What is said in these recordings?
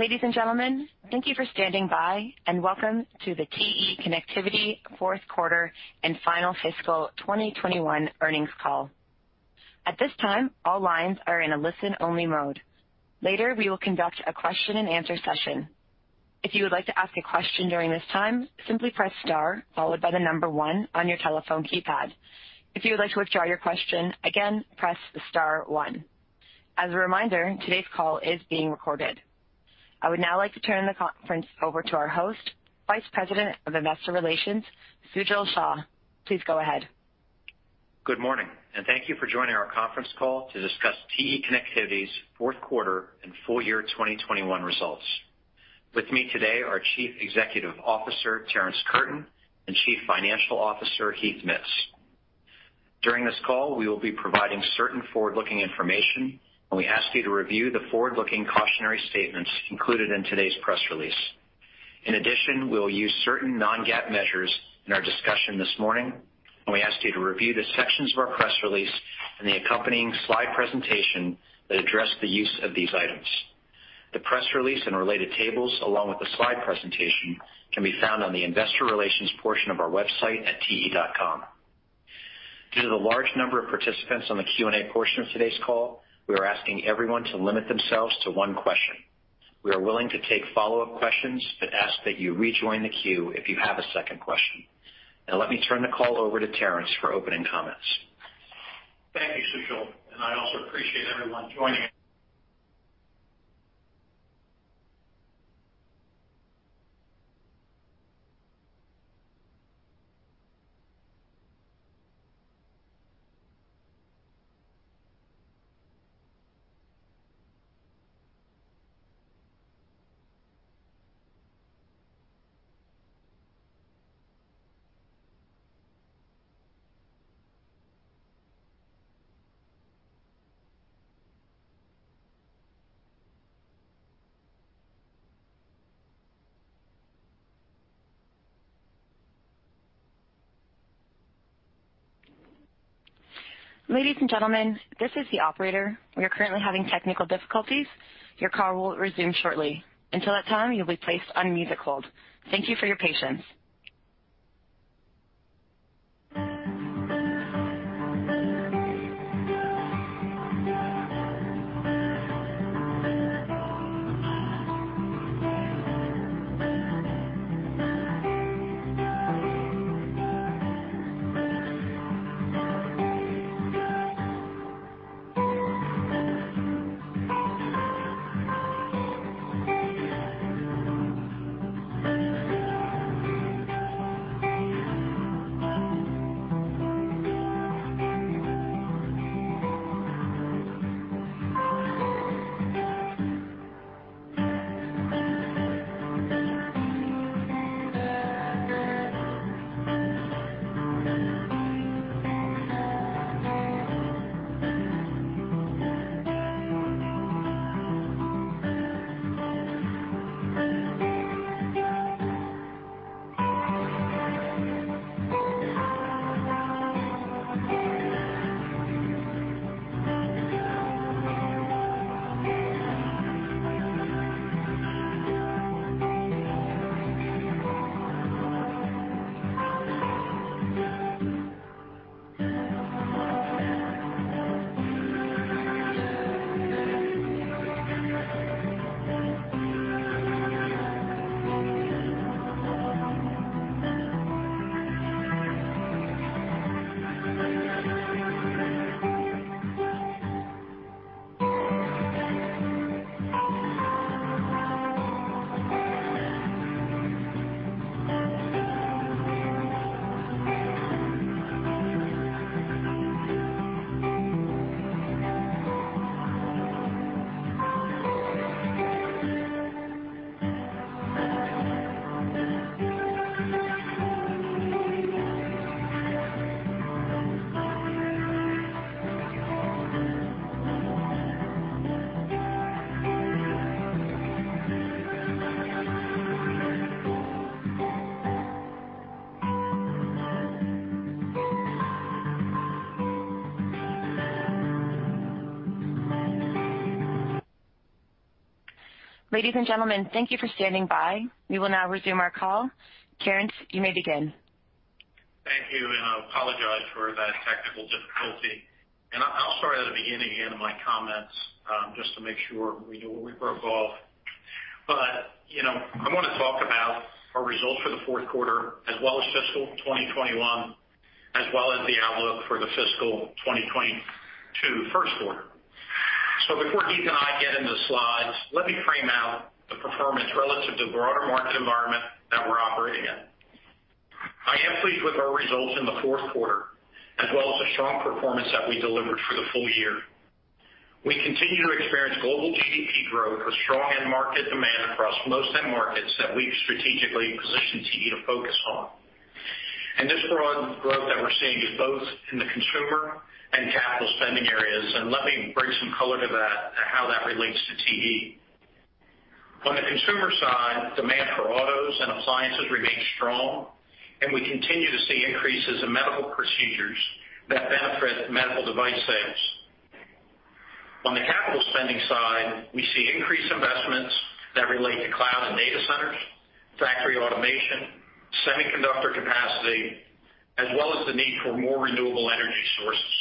Ladies and gentlemen, thank you for standing by, and welcome to the TE Connectivity fourth quarter and final fiscal 2021 earnings call. At this time, all lines are in a listen-only mode. Later, we will conduct a question-and-answer session. If you would like to ask a question during this time, simply press Star followed by number one on your telephone keypad. If you would like to withdraw your question, again, press the Star One. As a reminder, today's call is being recorded. I would now like to turn the conference over to our host, Vice President of Investor Relations, Sujal Shah. Please go ahead. Good morning, and thank you for joining our conference call to discuss TE Connectivity's fourth quarter and full year 2021 results. With me today are Chief Executive Officer, Terrence Curtin, and Chief Financial Officer, Heath Mitts. During this call, we will be providing certain forward-looking information, and we ask you to review the forward-looking cautionary statements included in today's press release. In addition, we'll use certain non-GAAP measures in our discussion this morning, and we ask you to review the sections of our press release and the accompanying slide presentation that address the use of these items. The press release and related tables along with the slide presentation can be found on the investor relations portion of our website at te.com. Due to the large number of participants on the Q&A portion of today's call, we are asking everyone to limit themselves to one question. We are willing to take follow-up questions, but ask that you rejoin the queue if you have a second question. Now let me turn the call over to Terrence for opening comments. Thank you, Sujal. I also appreciate everyone joining. Ladies and gentlemen, this is the operator. We are currently having technical difficulties. Your call will resume shortly. Until that time, you'll be placed on music hold. Thank you for your patience. Ladies and gentlemen, thank you for standing by. We will now resume our call. Terrence, you may begin. Thank you, and I apologize for that technical difficulty. I'll start at the beginning again of my comments, just to make sure we know where we broke off. You know, I wanna talk about our results for the fourth quarter as well as fiscal 2021, as well as the outlook for the fiscal 2022 first quarter. Before Heath and I get into slides, let me frame out the performance relative to the broader market environment that we're operating in. I am pleased with our results in the fourth quarter, as well as the strong performance that we delivered for the full year. We continue to experience global GDP growth with strong end market demand across most end markets that we've strategically positioned TE to focus on. This broad growth that we're seeing is both in the consumer and capital spending areas, and let me bring some color to that and how that relates to TE. On the consumer side, demand for autos and appliances remains strong, and we continue to see increases in medical procedures that benefit medical device sales. On the capital spending side, we see increased investments that relate to cloud and data centers, factory automation, semiconductor capacity, as well as the need for more renewable energy sources.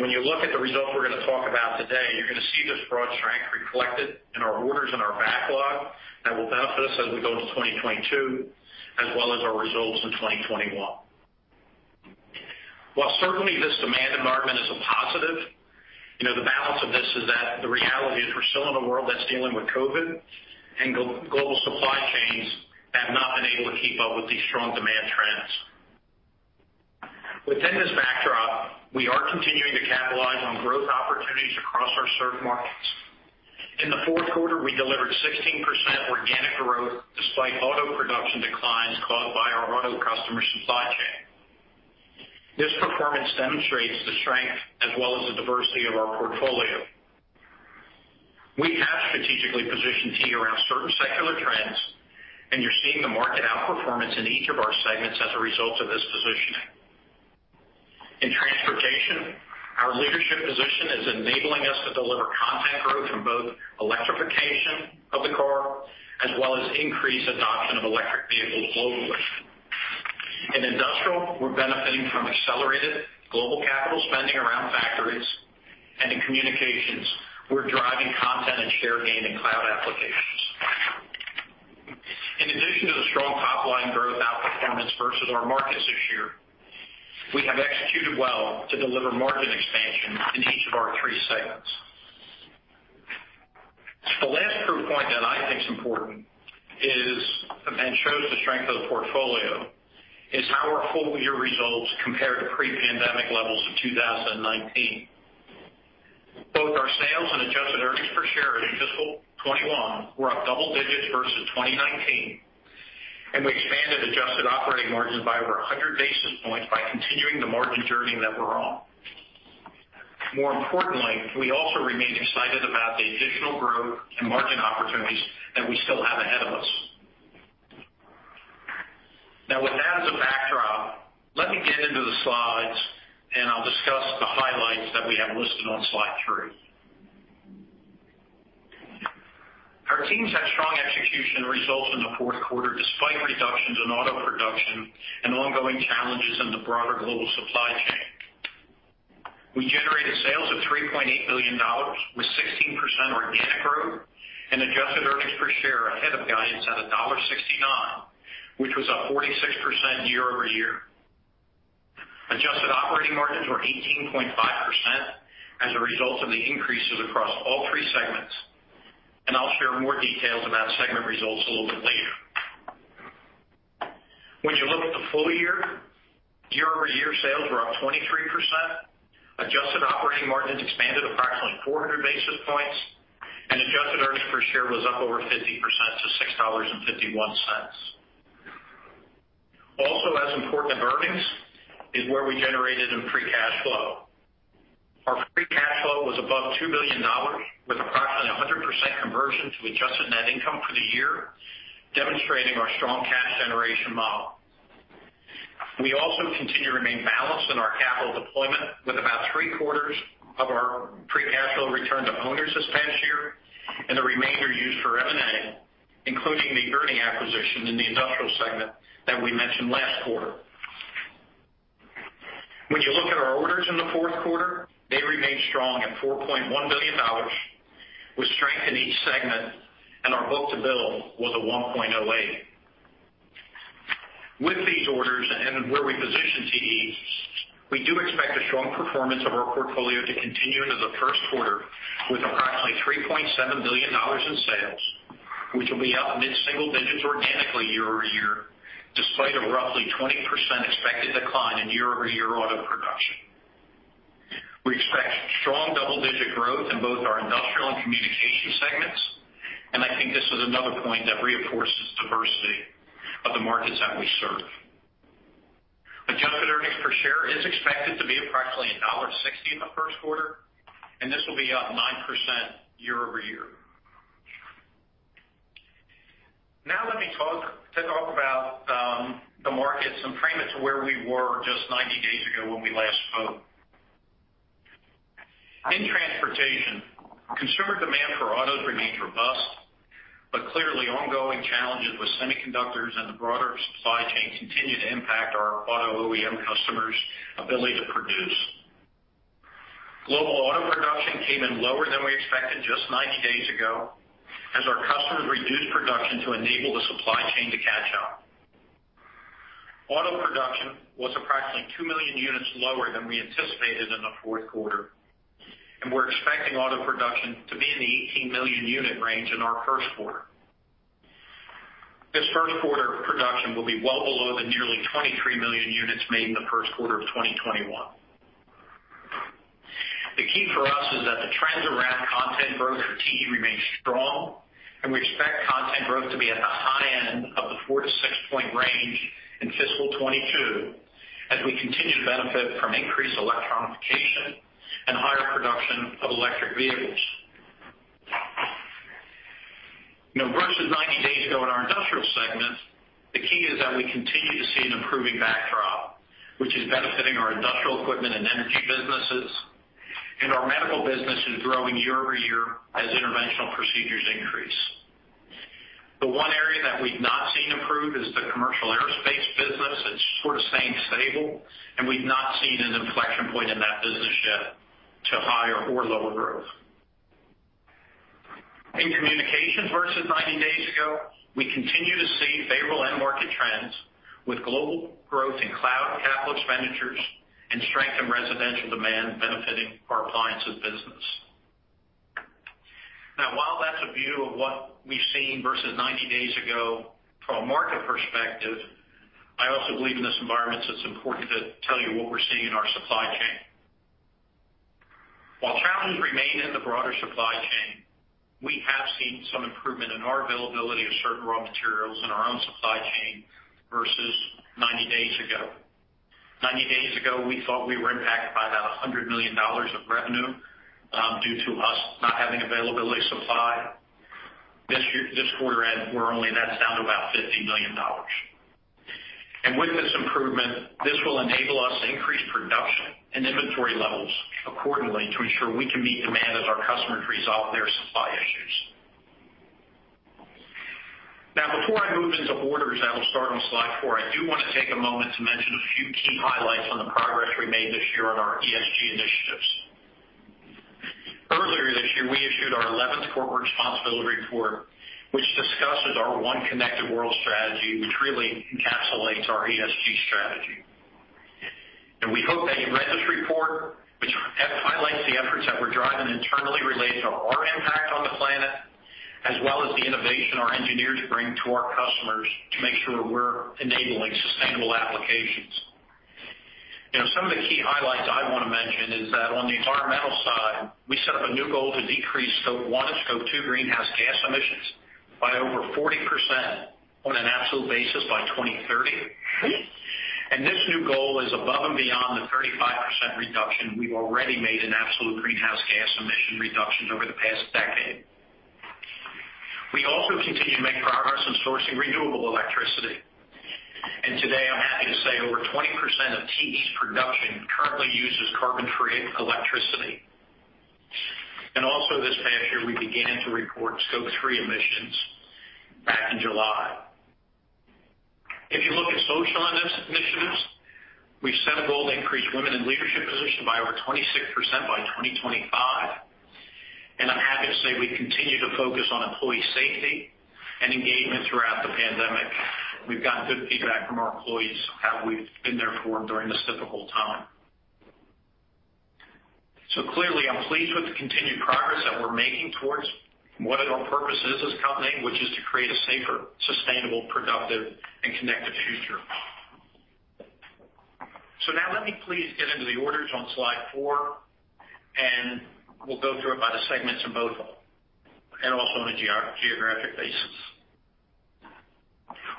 When you look at the results we're gonna talk about today, you're gonna see this broad strength reflected in our orders and our backlog that will benefit us as we go into 2022, as well as our results in 2021. While certainly this demand environment is a positive, you know, the balance of this is that the reality is we're still in a world that's dealing with COVID, and global supply chains have not been able to keep up with these strong demand trends. Within this backdrop, we are continuing to capitalize on growth opportunities across our served markets. In the fourth quarter, we delivered 16% organic growth despite auto production declines caused by our auto customer supply chain. This performance demonstrates the strength as well as the diversity of our portfolio. We have strategically positioned TE around certain secular trends, and you're seeing the market outperformance in each of our segments as a result of this positioning. In transportation, our leadership position is enabling us to deliver content growth in both electrification of the car, as well as increased adoption of electric vehicles globally. In industrial, we're benefiting from accelerated global capital spending around factories. In communications, we're driving content and share gain in cloud applications. In addition to the strong top line growth outperformance versus our markets this year, we have executed well to deliver margin expansion in each of our three segments. The last proof point that I think's important is, and shows the strength of the portfolio, is how our full year results compare to pre-pandemic levels of 2019. Both our sales and adjusted earnings per share in fiscal 2021 were up double digits versus 2019, and we expanded adjusted operating margins by over 100 basis points by continuing the margin journey that we're on. More importantly, we also remain excited about the additional growth and margin opportunities that we still have ahead of us. Now, with that as a backdrop, let me get into the slides and I'll discuss the highlights that we have listed on slide three. Our teams had strong execution results in the fourth quarter despite reductions in auto production and ongoing challenges in the broader global supply chain. We generated sales of $3.8 billion, with 16% organic growth and adjusted earnings per share ahead of guidance at $1.69, which was up 46% year-over-year. Adjusted operating margins were 18.5% as a result of the increases across all three segments, and I'll share more details about segment results a little bit later. When you look at the full year-over-year sales were up 23%, adjusted operating margins expanded approximately 400 basis points, and adjusted earnings per share was up over 50% to $6.51. Also as important as earnings is what we generated in free cash flow. Our free cash flow was above $2 billion with approximately 100% conversion to adjusted net income for the year, demonstrating our strong cash generation model. We also continue to remain balanced in our capital deployment with about three-quarters of our free cash flow return to owners this past year and the remainder used for M&A, including the ERNI acquisition in the industrial segment that we mentioned last quarter. When you look at our orders in the fourth quarter, they remained strong at $4.1 billion, with strength in each segment, and our book-to-bill was 1.08. With these orders and where we position TE, we do expect a strong performance of our portfolio to continue into the first quarter with approximately $3.7 billion in sales, which will be up mid-single digits organically year-over-year, despite a roughly 20% expected decline in year-over-year auto production. We expect strong double-digit growth in both our Industrial and Communications segments, and I think this is another point that reinforces diversity of the markets that we serve. Adjusted earnings per share is expected to be approximately $1.60 in the first quarter, and this will be up 9% year-over-year. Now let me talk about the markets and frame it to where we were just 90 days ago when we last spoke. In transportation, consumer demand for autos remains robust, but clearly ongoing challenges with semiconductors and the broader supply chain continue to impact our auto OEM customers' ability to produce. Global auto production came in lower than we expected just 90 days ago, as our customers reduced production to enable the supply chain to catch up. Auto production was approximately 2 million units lower than we anticipated in the fourth quarter, and we're expecting auto production to be in the 18 million unit range in our first quarter. This first quarter production will be well below the nearly 23 million units made in the first quarter of 2021. The key for us is that the trends around content growth for TE remain strong, and we expect content growth to be at the 4%-6% range in FY 2022 as we continue to benefit from increased electronification and higher production of electric vehicles. Now, versus 90 days ago in our Industrial segment, the key is that we continue to see an improving backdrop, which is benefiting our Industrial Equipment and Energy businesses. Our Medical business is growing year-over-year as interventional procedures increase. The one area that we've not seen improve is the Commercial Aerospace business. It's sort of staying stable, and we've not seen an inflection point in that business yet to higher or lower growth. In communications versus 90 days ago, we continue to see favorable end market trends with global growth in cloud capital expenditures and strength in residential demand benefiting our Appliances business. Now, while that's a view of what we've seen versus 90 days ago from a market perspective, I also believe in this environment, it's important to tell you what we're seeing in our supply chain. While challenges remain in the broader supply chain, we have seen some improvement in our availability of certain raw materials in our own supply chain versus 90 days ago. 90 days ago, we thought we were impacted by about $100 million of revenue due to us not having availability of supply. This quarter end, we're only, that's down to about $50 million. With this improvement, this will enable us to increase production and inventory levels accordingly to ensure we can meet demand as our customers resolve their supply issues. Now, before I move into orders that I'll start on slide four, I do want to take a moment to mention a few key highlights on the progress we made this year on our ESG initiatives. Earlier this year, we issued our eleventh corporate responsibility report, which discusses our One Connected World strategy, which really encapsulates our ESG strategy. We hope that you read this report, which highlights the efforts that we're driving internally related to our impact on the planet, as well as the innovation our engineers bring to our customers to make sure we're enabling sustainable applications. You know, some of the key highlights I wanna mention is that on the environmental side, we set up a new goal to decrease Scope 1 and Scope 2 greenhouse gas emissions by over 40% on an absolute basis by 2030. This new goal is above and beyond the 35% reduction we've already made in absolute greenhouse gas emission reductions over the past decade. We also continue to make progress in sourcing renewable electricity. Today, I'm happy to say over 20% of TE's production currently uses carbon-free electricity. Also this past year, we began to report Scope 3 emissions back in July. If you look at social emissions, we've set a goal to increase women in leadership positions by over 26% by 2025. I'm happy to say we continue to focus on employee safety and engagement throughout the pandemic. We've gotten good feedback from our employees on how we've been there for them during this difficult time. Clearly, I'm pleased with the continued progress that we're making towards what our purpose is as a company, which is to create a safer, sustainable, productive, and connected future. Now let me please get into the orders on slide four, and we'll go through it by the segments in both of them, and also on a geographic basis.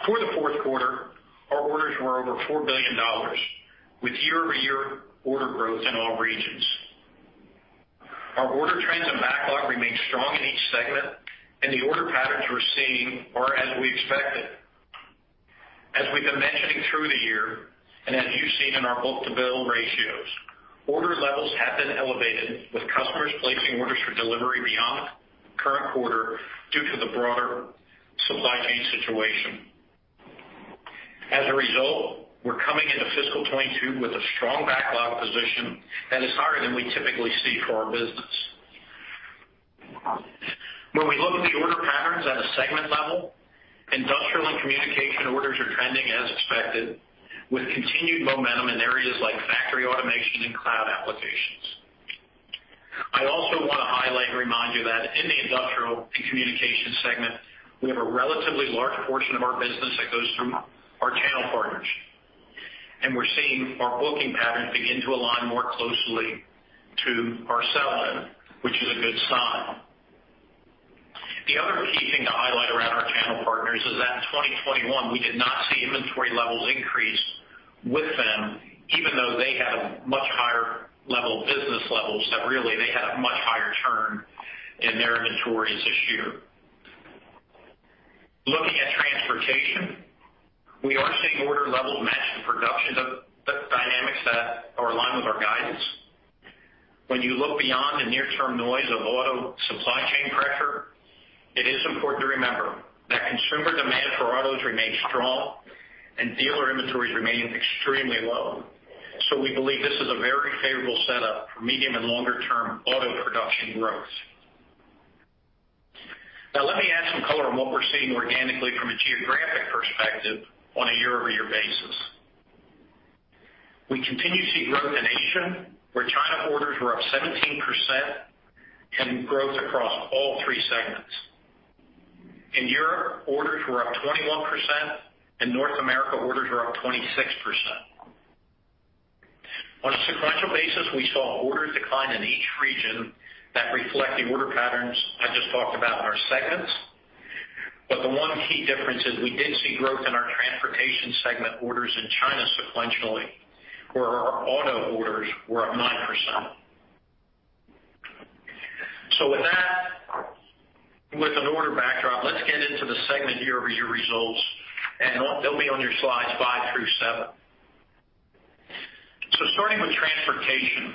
For the fourth quarter, our orders were over $4 billion, with year-over-year order growth in all regions. Our order trends and backlog remains strong in each segment, and the order patterns we're seeing are as we expected. As we've been mentioning through the year, and as you've seen in our book-to-bill ratios, order levels have been elevated, with customers placing orders for delivery beyond the current quarter due to the broader supply chain situation. As a result, we're coming into fiscal 2022 with a strong backlog position that is higher than we typically see for our business. When we look at the order patterns at a segment level, industrial and communication orders are trending as expected, with continued momentum in areas like factory automation and cloud applications. I also want to highlight and remind you that in the Industrial and Communication segment, we have a relatively large portion of our business that goes through our channel partners. We're seeing our booking patterns begin to align more closely to our sell-in, which is a good sign. The other key thing to highlight around our channel partners is that in 2021, we did not see inventory levels increase with them, even though they had a much higher level of business levels. They really had a much higher turn in their inventories this year. Looking at transportation, we are seeing order levels match the production and the dynamics that are aligned with our guidance. When you look beyond the near-term noise of auto supply chain pressure, it is important to remember that consumer demand for autos remains strong and dealer inventories remain extremely low. We believe this is a very favorable setup for medium and longer term auto production growth. Now let me add some color on what we're seeing organically from a geographic perspective on a year-over-year basis. We continue to see growth in Asia, where China orders were up 17% and growth across all three segments. In Europe, orders were up 21%, and North America orders were up 26%. We saw orders align in each region that reflect the order patterns I just talked about in our segments. The one key difference is we did see growth in our Transportation segment orders in China sequentially, where our auto orders were up 9%. With that, with an order backdrop, let's get into the segment year-over-year results, and they'll be on your slides five through seven. Starting with Transportation,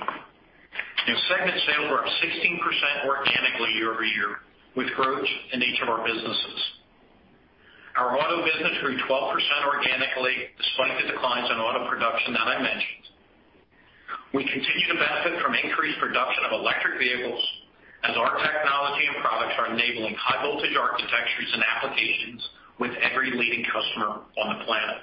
segment sales were up 16% organically year-over-year with growth in each of our businesses. Our auto business grew 12% organically despite the declines in auto production that I mentioned. We continue to benefit from increased production of electric vehicles as our technology and products are enabling high voltage architectures and applications with every leading customer on the planet.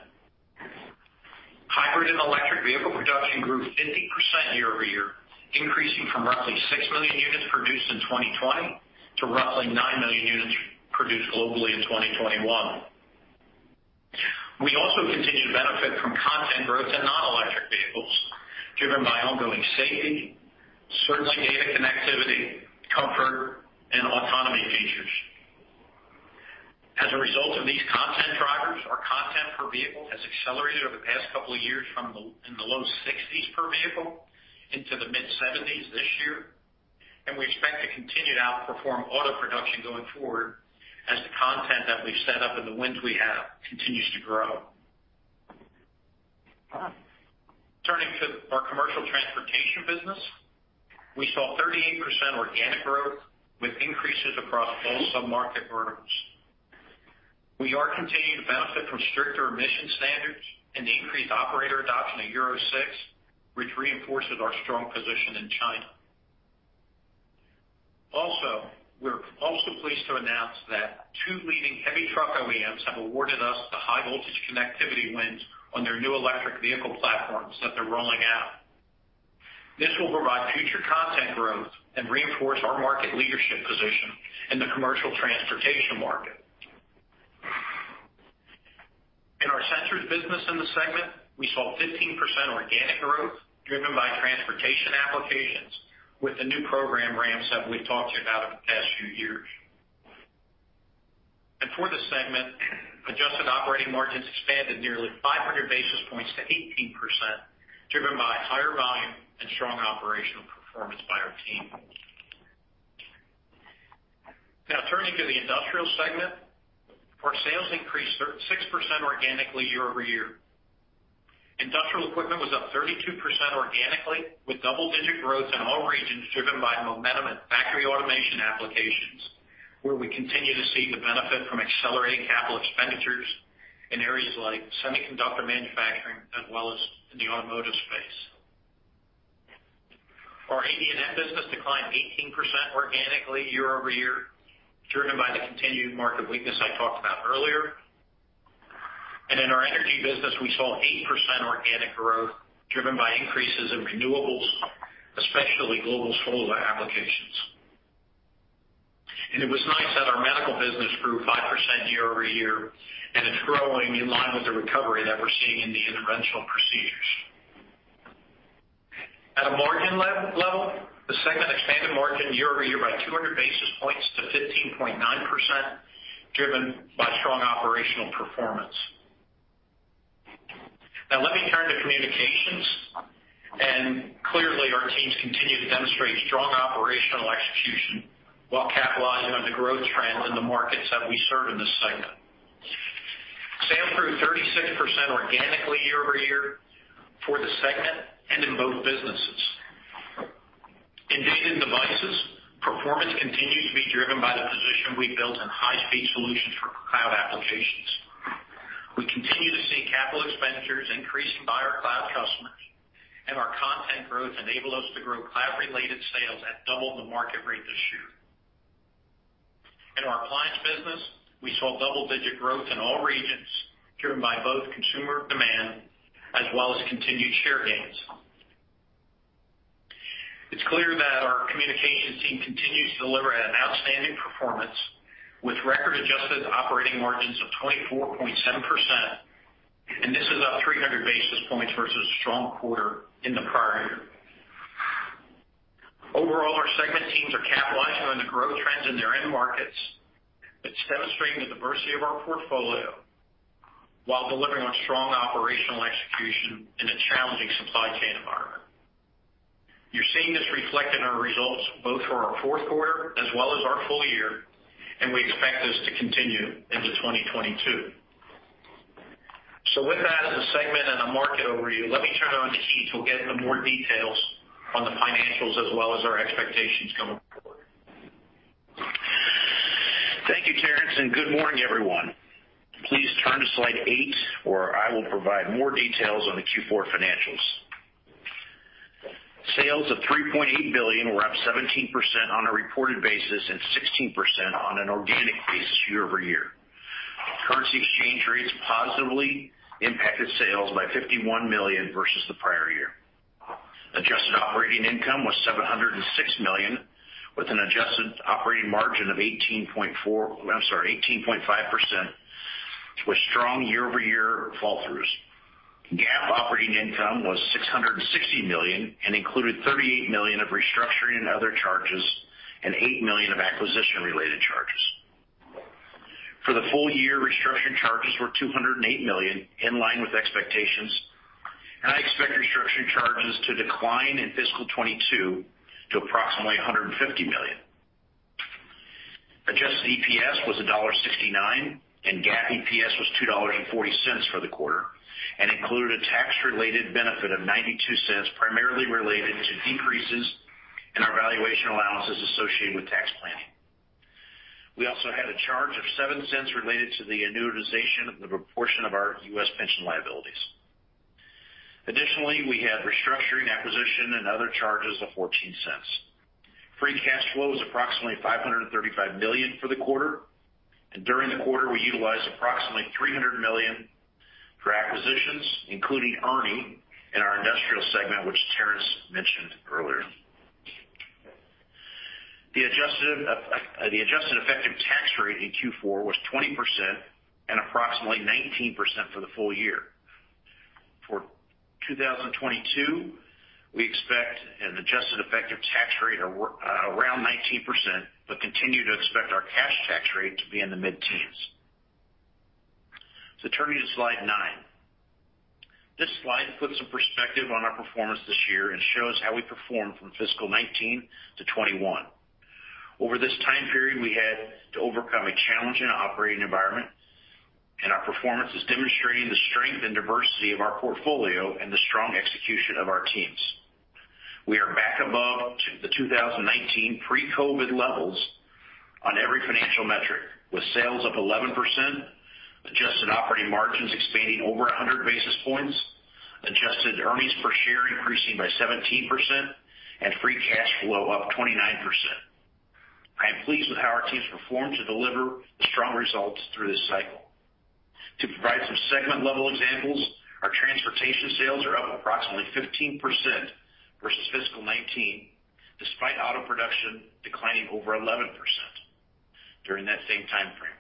Hybrid and electric vehicle production grew 50% year-over-year, increasing from roughly 6 million units produced in 2020 to roughly 9 million units produced globally in 2021. We also continue to benefit from content growth in non-electric vehicles, driven by ongoing safety, certainly data connectivity, comfort, and autonomy features. As a result of these content drivers, our content per vehicle has accelerated over the past couple of years from in the low $60s per vehicle into the mid-$70s this year. We expect to continue to outperform auto production going forward as the content that we've set up and the wins we have continues to grow. Turning to our commercial transportation business, we saw 38% organic growth with increases across all submarket verticals. We are continuing to benefit from stricter emission standards and the increased operator adoption of Euro 6, which reinforces our strong position in China. Also, we're also pleased to announce that two leading heavy truck OEMs have awarded us the high voltage connectivity wins on their new electric vehicle platforms that they're rolling out. This will provide future content growth and reinforce our market leadership position in the commercial transportation market. In our Sensors business in the segment, we saw 15% organic growth driven by transportation applications with the new program ramps that we've talked about over the past few years. For the segment, adjusted operating margins expanded nearly 500 basis points to 18%, driven by higher volume and strong operational performance by our team. Now turning to the Industrial segment. Our sales increased 36% organically year-over-year. Industrial equipment was up 32% organically, with double-digit growth in all regions driven by momentum in factory automation applications, where we continue to see the benefit from accelerating capital expenditures in areas like semiconductor manufacturing as well as in the automotive space. Our AD&M business declined 18% organically year-over-year, driven by the continued market weakness I talked about earlier. In our Energy business, we saw 8% organic growth driven by increases in renewables, especially global solar applications. It was nice that our Medical business grew 5% year-over-year, and it's growing in line with the recovery that we're seeing in the interventional procedures. At a margin level, the segment expanded margin year-over-year by 200 basis points to 15.9%, driven by strong operational performance. Now let me turn to Communications, and clearly, our teams continue to demonstrate strong operational execution while capitalizing on the growth trends in the markets that we serve in this segment. Sales grew 36% organically year-over-year for the segment and in both businesses. In Data and Devices, performance continued to be driven by the position we built in high-speed solutions for cloud applications. We continue to see capital expenditures increasing by our cloud customers, and our content growth enabled us to grow cloud-related sales at double the market rate this year. In our Client Solutions business, we saw double-digit growth in all regions, driven by both consumer demand as well as continued share gains. It's clear that our communications team continues to deliver an outstanding performance with record adjusted operating margins of 24.7%, and this is up 300 basis points versus a strong quarter in the prior year. Overall, our segment teams are capitalizing on the growth trends in their end markets. It's demonstrating the diversity of our portfolio while delivering on strong operational execution in a challenging supply chain environment. You're seeing this reflect in our results both for our fourth quarter as well as our full year, and we expect this to continue into 2022. With that as a segment and a market overview, let me turn it over to Heath, who'll get into more details on the financials as well as our expectations going forward. Thank you, Terrence, and good morning, everyone. Please turn to slide eight, where I will provide more details on the Q4 financials. Sales of $3.8 billion were up 17% on a reported basis, and 16% on an organic basis year-over-year. Currency exchange rates positively impacted sales by $51 million versus the prior year. Adjusted operating income was $706 million, with an adjusted operating margin of 18.5%. With strong year-over-year fall-throughs. GAAP operating income was $660 million and included $38 million of restructuring and other charges, and $8 million of acquisition-related charges. For the full year, restructuring charges were $208 million in line with expectations, and I expect restructuring charges to decline in fiscal 2022 to approximately $150 million. Adjusted EPS was $1.69, and GAAP EPS was $2.40 for the quarter and included a tax-related benefit of $0.92, primarily related to decreases in our valuation allowances associated with tax planning. We also had a charge of $0.07 related to the annuitization of the proportion of our U.S. pension liabilities. Additionally, we had restructuring, acquisition, and other charges of $0.14. Free cash flow was approximately $535 million for the quarter, and during the quarter, we utilized approximately $300 million for acquisitions, including ERNI in our Industrial segment, which Terrence mentioned earlier. The adjusted effective tax rate in Q4 was 20% and approximately 19% for the full year. For 2022, we expect an adjusted effective tax rate around 19%, but continue to expect our cash tax rate to be in the mid-teens. Turning to slide nine. This slide puts some perspective on our performance this year and shows how we performed from fiscal 2019 to fiscal 2021. Over this time period, we had to overcome a challenging operating environment, and our performance is demonstrating the strength and diversity of our portfolio and the strong execution of our teams. We are back above to the 2019 pre-COVID levels on every financial metric, with sales up 11%, adjusted operating margins expanding over 100 basis points, adjusted earnings per share increasing by 17%, and free cash flow up 29%. I am pleased with how our teams performed to deliver the strong results through this cycle. To provide some segment-level examples, our transportation sales are up approximately 15% versus fiscal 2019, despite auto production declining over 11% during that same timeframe.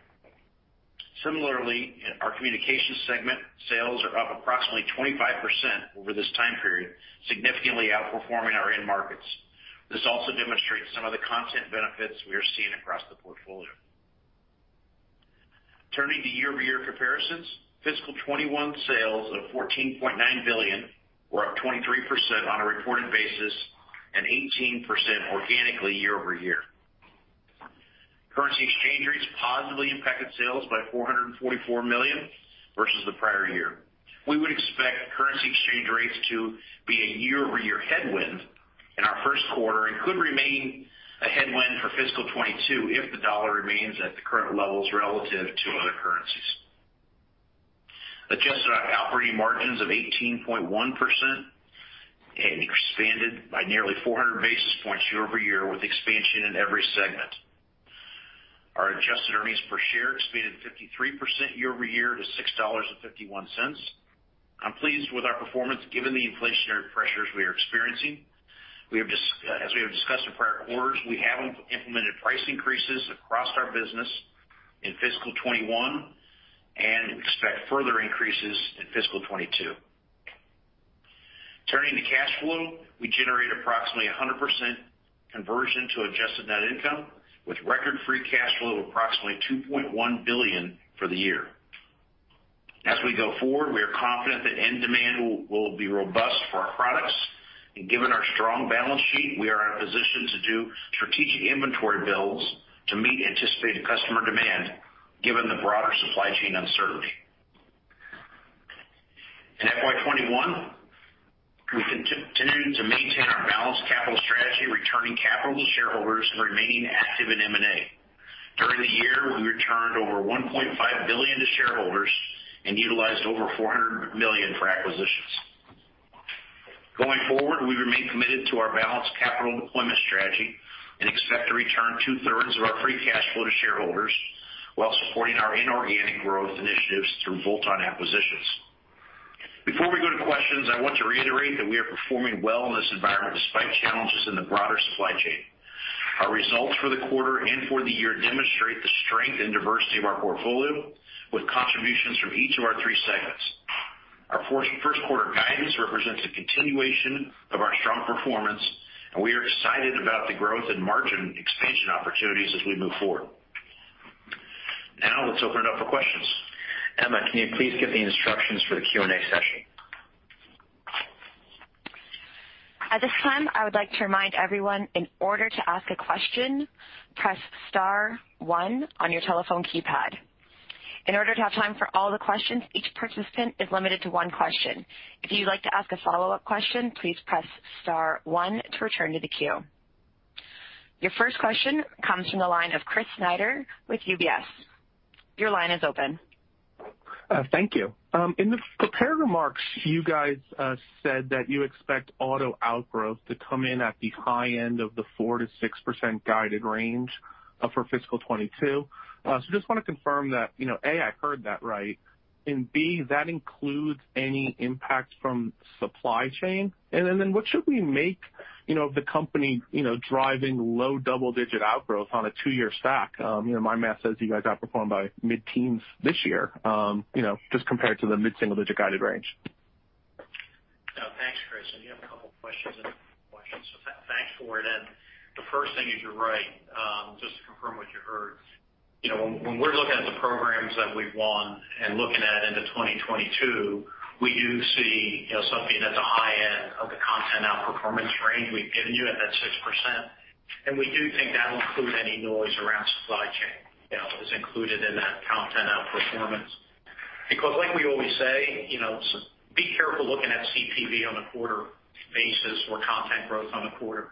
Similarly, in our Communications segment, sales are up approximately 25% over this time period, significantly outperforming our end markets. This also demonstrates some of the content benefits we are seeing across the portfolio. Turning to year-over-year comparisons, FY 2021 sales of $14.9 billion were up 23% on a reported basis and 18% organically year over year. Currency exchange rates positively impacted sales by $444 million versus the prior year. We would expect currency exchange rates to be a year-over-year headwind in our first quarter and could remain a headwind for FY 2022 if the dollar remains at the current levels relative to other currencies. Adjusted operating margins of 18.1% expanded by nearly 400 basis points year over year with expansion in every segment. Our adjusted earnings per share expanded 53% year over year to $6.51. I'm pleased with our performance given the inflationary pressures we are experiencing. As we have discussed in prior quarters, we haven't implemented price increases across our business in FY 2021 and expect further increases in FY 2022. Turning to cash flow, we generate approximately 100% conversion to adjusted net income with record free cash flow of approximately $2.1 billion for the year. As we go forward, we are confident that end demand will be robust for our products. Given our strong balance sheet, we are in a position to do strategic inventory builds to meet anticipated customer demand given the broader supply chain uncertainty. In FY 2021, we continued to maintain our balanced capital strategy, returning capital to shareholders and remaining active in M&A. During the year, we returned over $1.5 billion to shareholders and utilized over $400 million for acquisitions. Going forward, we remain committed to our balanced capital deployment strategy and expect to return two-thirds of our free cash flow to shareholders while supporting our inorganic growth initiatives through bolt-on acquisitions. Before we go to questions, I want to reiterate that we are performing well in this environment despite challenges in the broader supply chain. Our results for the quarter and for the year demonstrate the strength and diversity of our portfolio, with contributions from each of our three segments. Our first quarter guidance represents a continuation of our strong performance, and we are excited about the growth and margin expansion opportunities as we move forward. Now let's open it up for questions. Emma, can you please give the instructions for the Q&A session? At this time, I would like to remind everyone in order to ask a question, press Star one on your telephone keypad. In order to have time for all the questions, each participant is limited to one question. If you'd like to ask a follow-up question, please press Star one to return to the queue. Your first question comes from the line of Chris Snyder with UBS. Your line is open. Thank you. In the prepared remarks, you guys said that you expect auto outgrowth to come in at the high end of the 4%-6% guided range for FY 2022. Just wanna confirm that, you know, A, I heard that right. B, that includes any impact from supply chain? What should we make, you know, of the company, you know, driving low double-digit outgrowth on a two-year stack? You know, my math says you guys outperformed by mid-teens this year, you know, just compared to the mid-single digit guided range. Yeah. Thanks, Chris. You have a couple questions, so thanks for it. The first thing is, you're right. Just to confirm what you heard. You know, when we're looking at the programs that we've won and looking into 2022, we do see, you know, something at the high end of the content outperformance range we've given you at that 6%. We do think that'll include any noise around supply chain, you know, is included in that content outperformance. Because like we always say, you know, be careful looking at CPV on a quarter basis or content growth on a quarter.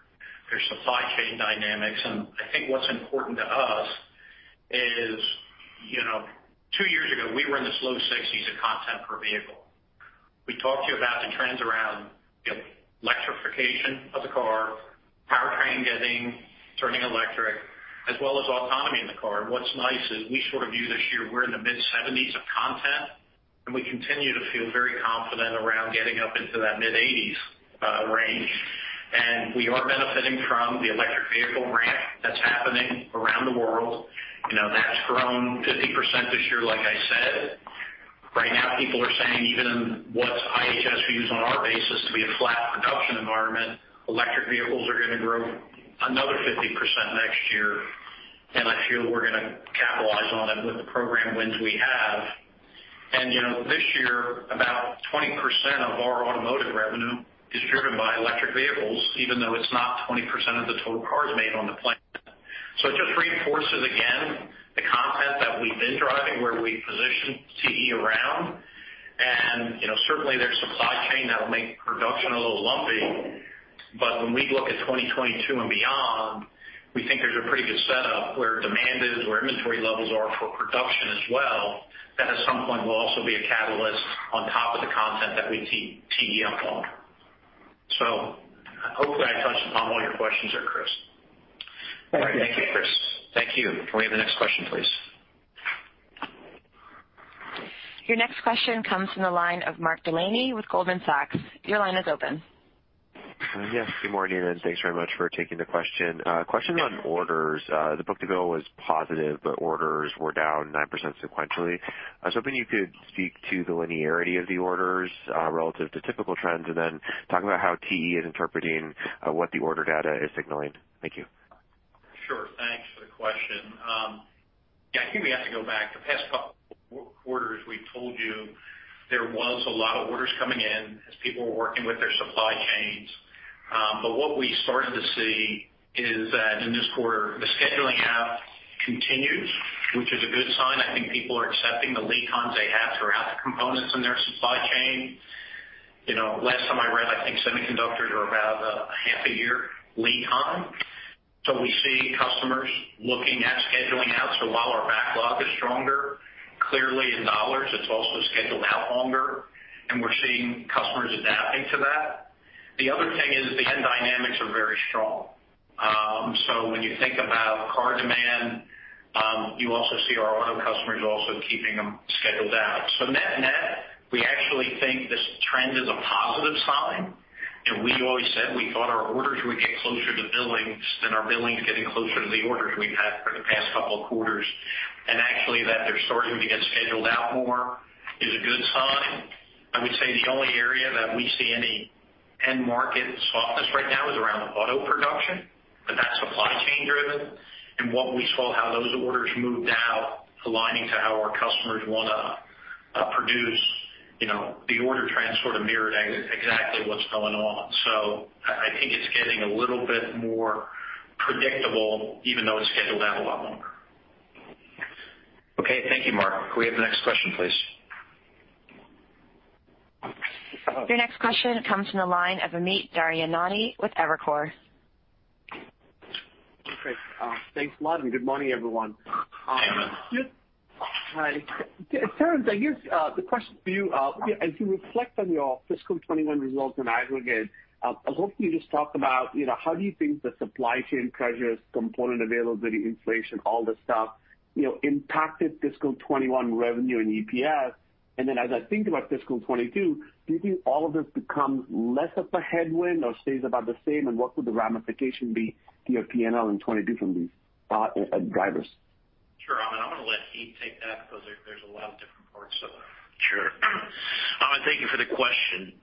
There's supply chain dynamics, and I think what's important to us is, you know, two years ago, we were in this low 60s of content per vehicle. We talked to you about the trends around, you know, electrification of the car, powertrain turning electric, as well as autonomy in the car. What's nice is we sort of view this year we're in the mid-$70s of content, and we continue to feel very confident around getting up into that mid-$80s range. We are benefiting from the electric vehicle ramp that's happening around the world. You know, that's grown 50% this year like I said. Right now, people are saying even what IHS views on our basis to be a flat production environment, electric vehicles are gonna grow another 50% next year, and I feel we're gonna capitalize on it with the program wins we have. You know, this year, about 20% of our automotive revenue is driven by electric vehicles, even though it's not 20% of the total cars made on the planet. It just reinforces again the content that we've been driving, where we position TE around. You know, certainly there's supply chain that will make production a little lumpy. When we look at 2022 and beyond, we think there's a pretty good setup where demand is, where inventory levels are for production as well, that at some point will also be a catalyst on top of the content that we TE unfold. Hopefully I touched upon all your questions there, Chris. Thank you. All right. Thank you, Chris. Thank you. Can we have the next question, please? Your next question comes from the line of Mark Delaney with Goldman Sachs. Your line is open. Yes. Good morning, and thanks very much for taking the question. Question on orders. The book-to-bill was positive, but orders were down 9% sequentially. I was hoping you could speak to the linearity of the orders, relative to typical trends, and then talk about how TE is interpreting, what the order data is signaling. Thank you. Sure. Thanks for the question. Yeah, I think we have to go back. The past couple quarters, we've told you there was a lot of orders coming in as people were working with their supply chains. What we started to see is that in this quarter, the scheduling out continues, which is a good sign. I think people are accepting the lead times they have throughout the components in their supply chain. You know, last time I read, I think semiconductors are about half a year lead time. We see customers looking at scheduling out. While our backlog is stronger, clearly in dollars, it's also scheduled out longer, and we're seeing customers adapting to that. The other thing is the end-market dynamics are very strong. When you think about car demand, you also see our auto customers also keeping them scheduled out. Net-net, we actually think this trend is a positive sign. We always said we thought our orders would get closer to billings than our billings getting closer to the orders we've had for the past couple of quarters. Actually that they're starting to get scheduled out more is a good sign. I would say the only area that we see any end market softness right now is around auto production, but that's supply chain driven. What we saw, how those orders moved out, aligning to how our customers wanna produce, you know, the order trends sort of mirrored exactly what's going on. I think it's getting a little bit more predictable even though it's scheduled out a lot longer. Okay. Thank you, Mark. Could we have the next question, please? Your next question comes from the line of Amit Daryanani with Evercore. Okay. Thanks a lot, and good morning, everyone. Hi, Amit. Hi. Terrence, I guess, the question for you, as you reflect on your fiscal 2021 results in aggregate, I was hoping you could just talk about, you know, how do you think the supply chain pressures, component availability, inflation, all this stuff, you know, impacted fiscal 2021 revenue and EPS? Then as I think about fiscal 2022, do you think all of this becomes less of a headwind or stays about the same, and what would the ramification be to your P&L in 2022 from these, drivers? Sure. Amit, I'm gonna let Heath take that because there's a lot of different parts to that. Sure. Amit, thank you for the question.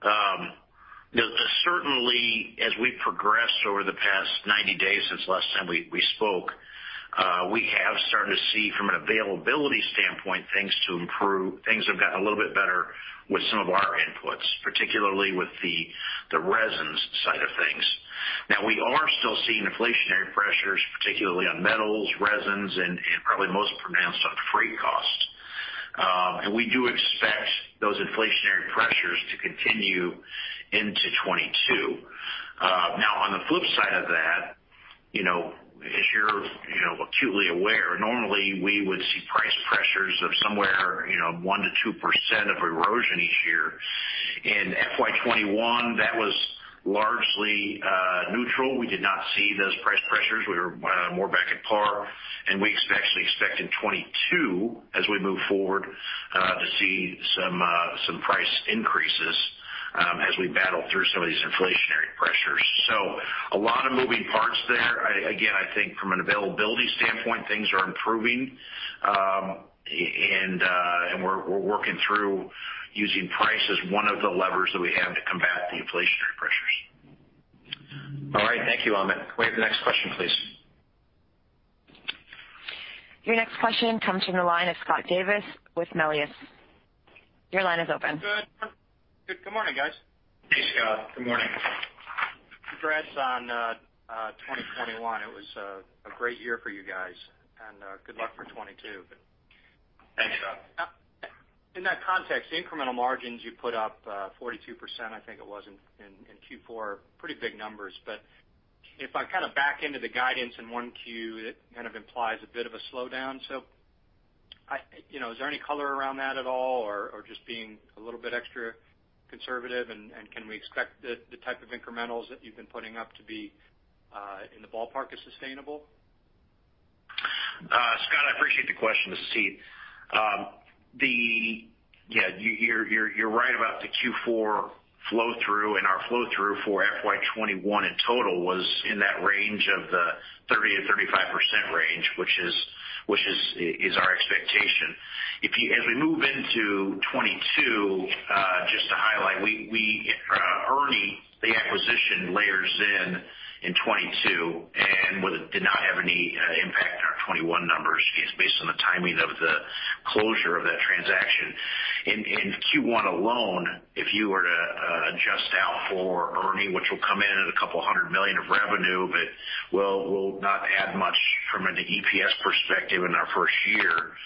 Certainly as we progress over the past 90 days since last time we spoke, we have started to see from an availability standpoint, things to improve. Things have gotten a little bit better with some of our inputs, particularly with the resins side of things. Now, we are still seeing inflationary pressures, particularly on metals, resins, and probably most pronounced on freight costs. We do expect those inflationary pressures to continue into 2022. Now on the flip side of that, you know, as you're, you know, acutely aware, normally we would see price pressures of somewhere, you know, 1%-2% of erosion each year. In FY 2021, that was largely neutral. We did not see those price pressures. We were more back at par, and we actually expect in 2022 as we move forward to see some some price increases as we battle through some of these inflationary pressures. A lot of moving parts there. Again, I think from an availability standpoint, things are improving, and we're working through using price as one of the levers that we have to combat the inflationary pressures. All right. Thank you, Amit. Can we have the next question, please? Your next question comes from the line of Scott Davis with Melius. Your line is open. Good. Good morning, guys. Hey, Scott. Good morning. Congrats on 2021. It was a great year for you guys. Good luck for 2022. Thanks, Scott. In that context, incremental margins you put up 42% I think it was in Q4, pretty big numbers. If I kinda back into the guidance in Q1, it kind of implies a bit of a slowdown. You know, is there any color around that at all or just being a little bit extra conservative? Can we expect the type of incrementals that you've been putting up to be in the ballpark as sustainable? Scott, I appreciate the question. You see, yeah, you're right about the Q4 flow-through, and our flow-through for FY 2021 in total was in that range of the 30%-35% range, which is our expectation. As we move into 2022, just to highlight, ERNI, the acquisition layers in 2022 and did not have any impact on our 2021 numbers just based on the timing of the closure of that transaction. In Q1 alone, if you were to adjust out for ERNI, which will come in at a couple hundred million of revenue, but will not add much from an EPS perspective in our first year,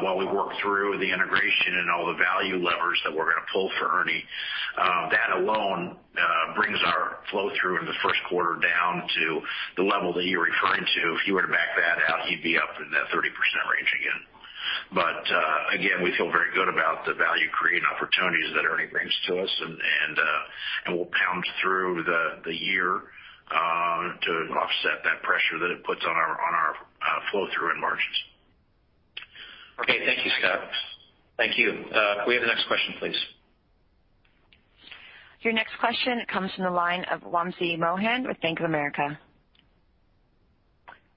while we work through the integration and all the value levers that we're gonna pull for ERNI. That alone brings our flow-through in the first quarter down to the level that you're referring to. If you were to back that out, you'd be up in that 30% range again. Again, we feel very good about the value-creating opportunities that ERNI brings to us. We'll power through the year to offset that pressure that it puts on our flow-through and margins. Okay. Thank you, Scott. Thank you. Can we have the next question, please? Your next question comes from the line of Wamsi Mohan with Bank of America.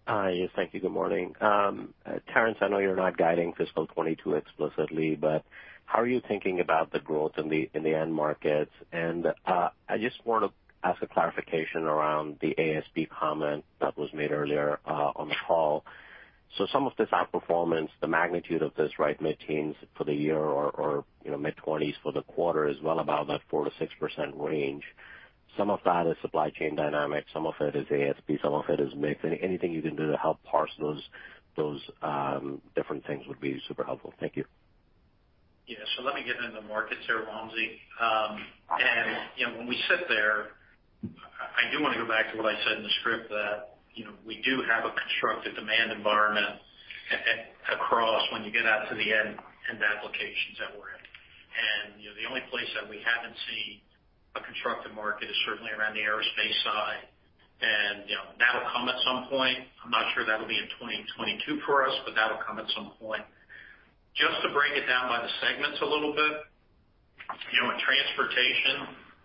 Hi. Yes, thank you. Good morning. Terrence, I know you're not guiding FY 2022 explicitly, but how are you thinking about the growth in the end markets? I just want to ask a clarification around the ASP comment that was made earlier on the call. Some of this outperformance, the magnitude of this, right, mid-teens for the year or you know, mid 20s for the quarter is well above that 4%-6% range. Some of that is supply chain dynamics, some of it is ASP, some of it is mix. Anything you can do to help parse those different things would be super helpful. Thank you. Let me get into markets here, Wamsi. You know, when we sit there, I do wanna go back to what I said in the script that, you know, we do have a constructive demand environment across when you get out to the end applications that we're in. You know, the only place that we haven't seen a constructive market is certainly around the aerospace side. You know, that'll come at some point. I'm not sure that'll be in 2022 for us, but that'll come at some point. To break it down by the segments a little bit, you know, in transportation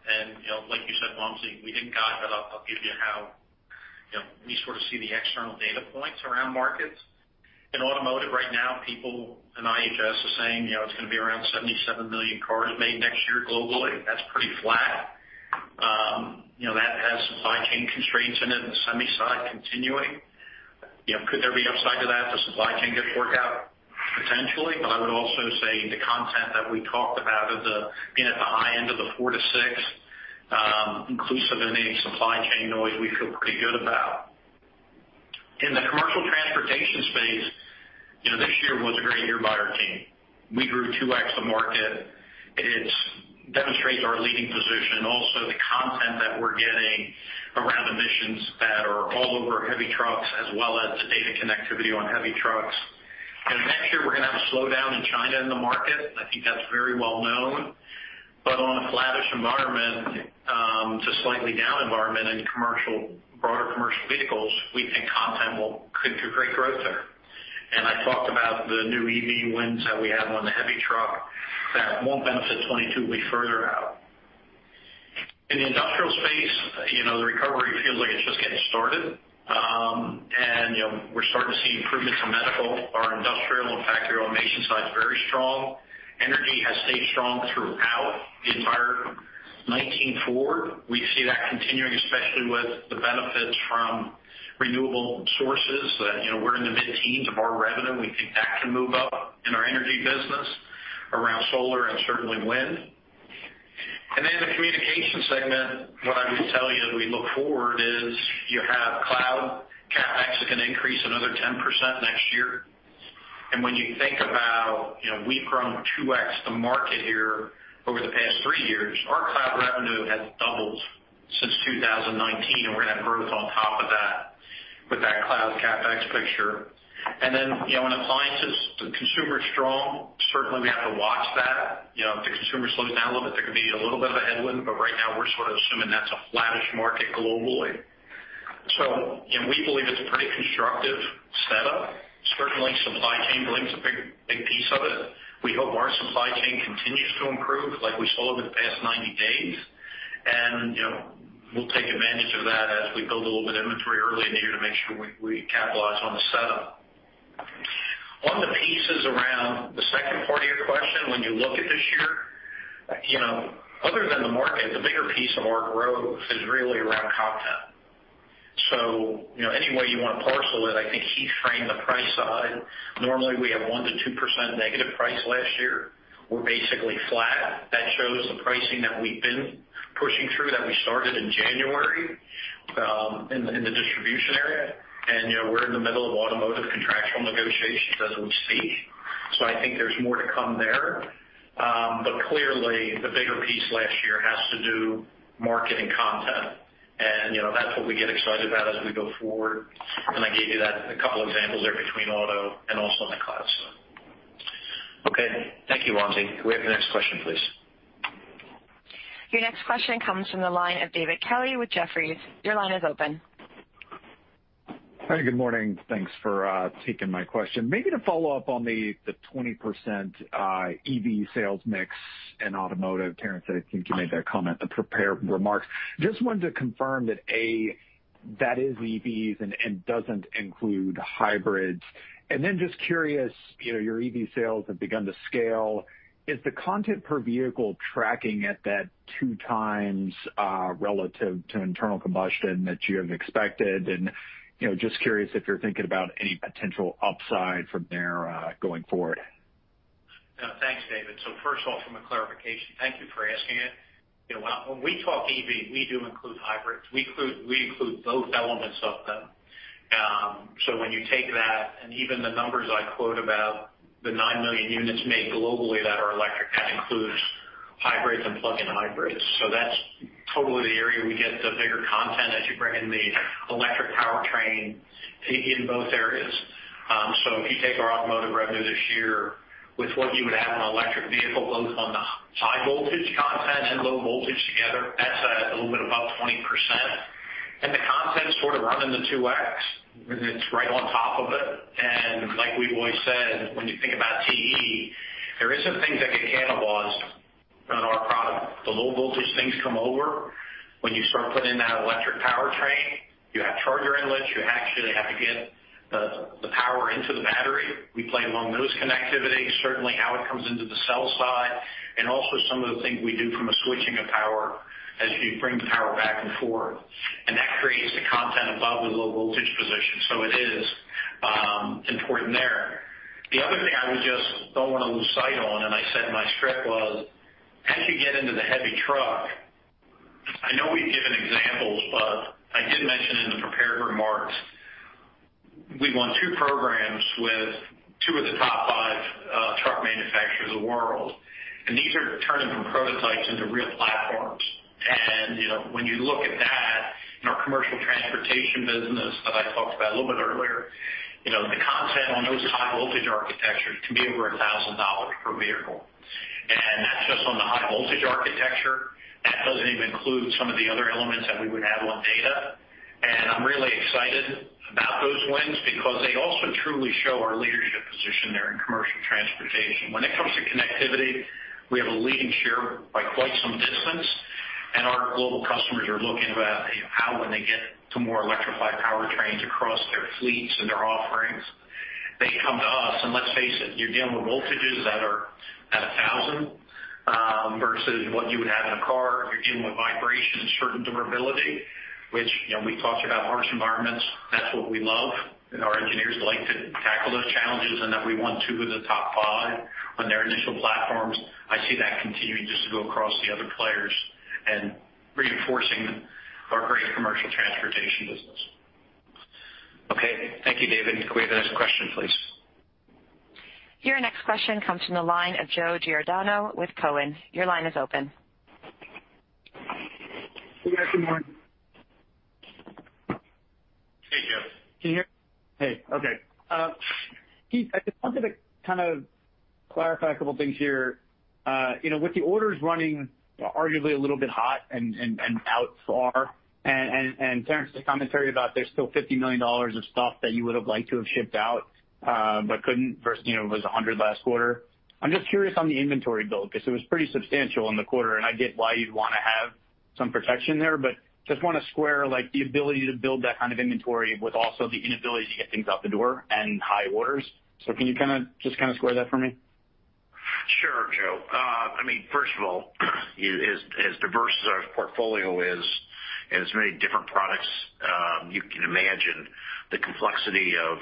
and, you know, like you said, Wamsi, we didn't guide, but I'll give you how, you know, we sort of see the external data points around markets. In automotive right now, people in IHS are saying, you know, it's gonna be around 77 million cars made next year globally. That's pretty flat. You know, that has supply chain constraints in it and the semi side continuing. You know, could there be upside to that if the supply chain gets worked out? Potentially. I would also say the content that we talked about of the being at the high end of the 4%-6%, inclusive of any supply chain noise, we feel pretty good about. In the commercial transportation space, you know, this year was a great year by our team. We grew 2x the market. It demonstrates our leading position and also the content that we're getting around emissions that are all over heavy trucks as well as the data connectivity on heavy trucks. You know, next year we're gonna have a slowdown in the China market. I think that's very well known. On a flattish environment to slightly down environment in broader commercial vehicles, we think content will contribute great growth there. I talked about the new EV wins that we have on the heavy truck that won't benefit 2022 will be further out. In the industrial space, you know, the recovery feels like it's just getting started. You know, we're starting to see improvements in medical. Our industrial and factory automation side is very strong. Energy has stayed strong throughout the entire Q4 2019. We see that continuing, especially with the benefits from renewable sources. You know, we're in the mid-teens of our revenue. We think that can move up in our Energy business around solar and certainly wind. Then the Communication segment, what I would tell you as we look forward is you have cloud CapEx that can increase another 10% next year. When you think about, you know, we've grown 2x the market here over the past three years. Our cloud revenue has doubled since 2019, and we're gonna have growth on top of that with that cloud CapEx picture. Then, you know, in appliances, the consumer is strong. Certainly, we have to watch that. You know, if the consumer slows down a little bit, there could be a little bit of a headwind, but right now we're sort of assuming that's a flattish market globally. We believe it's a pretty constructive setup. Certainly, supply chain, we believe it's a big, big piece of it. We hope our supply chain continues to improve like we saw over the past 90 days. You know, we'll take advantage of that as we build a little bit of inventory early in the year to make sure we capitalize on the setup. On the pieces around the second part of your question, when you look at this year, you know, other than the market, the bigger piece of our growth is really around content. You know, any way you want to parcel it, I think he framed the price side. Normally, we have 1%-2% negative price last year. We're basically flat. That shows the pricing that we've been pushing through that we started in January in the distribution area. You know, we're in the middle of automotive contractual negotiations as we speak. I think there's more to come there. Clearly, the bigger piece last year has to do with marketing content. You know, that's what we get excited about as we go forward. I gave you that a couple examples there between auto and also in the cloud. Okay. Thank you, Wamsi Mohan. Can we have the next question, please? Your next question comes from the line of David Kelley with Jefferies. Your line is open. Hi, good morning. Thanks for taking my question. Maybe to follow up on the 20% EV sales mix in automotive. Terrence, I think you made that comment in the prepared remarks. Just wanted to confirm that A, that is EVs and doesn't include hybrids. Just curious, you know, your EV sales have begun to scale. Is the content per vehicle tracking at that 2x relative to internal combustion that you have expected? You know, just curious if you're thinking about any potential upside from there going forward. Yeah. Thanks, David. First of all, from a clarification, thank you for asking it. You know, when we talk EV, we do include hybrids. We include both elements of them. When you take that and even the numbers I quote about the 9 million units made globally that are electric, that includes hybrids and plug-in hybrids. That's totally the area we get the bigger content as you bring in the electric powertrain in both areas. If you take our automotive revenue this year with what you would have on an electric vehicle, both on the high voltage content and low voltage together, that's a little bit above 20%. The content's sort of running the 2x. It's right on top of it. Like we've always said, when you think about TE, there is some things that get cannibalized on our product. The low voltage things come over. When you start putting in that electric powertrain, you have charger inlets. You actually have to get the power into the battery. We play along those connectivities, certainly how it comes into the cell side, and also some of the things we do from a switching of power as you bring the power back and forth. That creates the content above the low voltage position. It is important there. The other thing I would just don't wanna lose sight on, and I said in my script was, as you get into the heavy truck. I know we've given examples, but I did mention in the prepared remarks, we won two programs with two of the top five truck manufacturers of the world. These are turning from prototypes into real platforms. You know, when you look at that in our Commercial Transportation business that I talked about a little bit earlier, you know, the content on those high voltage architectures can be over $1,000 per vehicle. That's just on the high voltage architecture. That doesn't even include some of the other elements that we would have on data. I'm really excited about those wins because they also truly show our leadership position there in commercial transportation. When it comes to connectivity, we have a leading share by quite some distance, and our global customers are looking about how would they get to more electrified powertrains across their fleets and their offerings. They come to us, and let's face it, you're dealing with voltages that are at 1,000 versus what you would have in a car. You're dealing with vibration, certain durability, which, you know, we talked about harsh environments. That's what we love. Our engineers like to tackle those challenges and that we won two of the top five on their initial platforms. I see that continuing just to go across the other players and reinforcing our great Commercial Transportation business. Okay. Thank you, David. Can we have the next question, please? Your next question comes from the line of Joe Giordano with Cowen. Your line is open. Yeah. Good morning. Hey, Joe. Can you hear me? Hey. Okay. Heath, I just wanted to kind of clarify a couple of things here. You know, with the orders running arguably a little bit hot and out far, and Terrence, the commentary about there's still $50 million of stuff that you would have liked to have shipped out, but couldn't versus, you know, it was $100 million last quarter. I'm just curious on the inventory build because it was pretty substantial in the quarter, and I get why you'd wanna have some protection there, but just wanna square, like the ability to build that kind of inventory with also the inability to get things out the door and high orders. Can you kinda just kinda square that for me? Sure, Joe. First of all, as diverse as our portfolio is and as many different products you can imagine the complexity of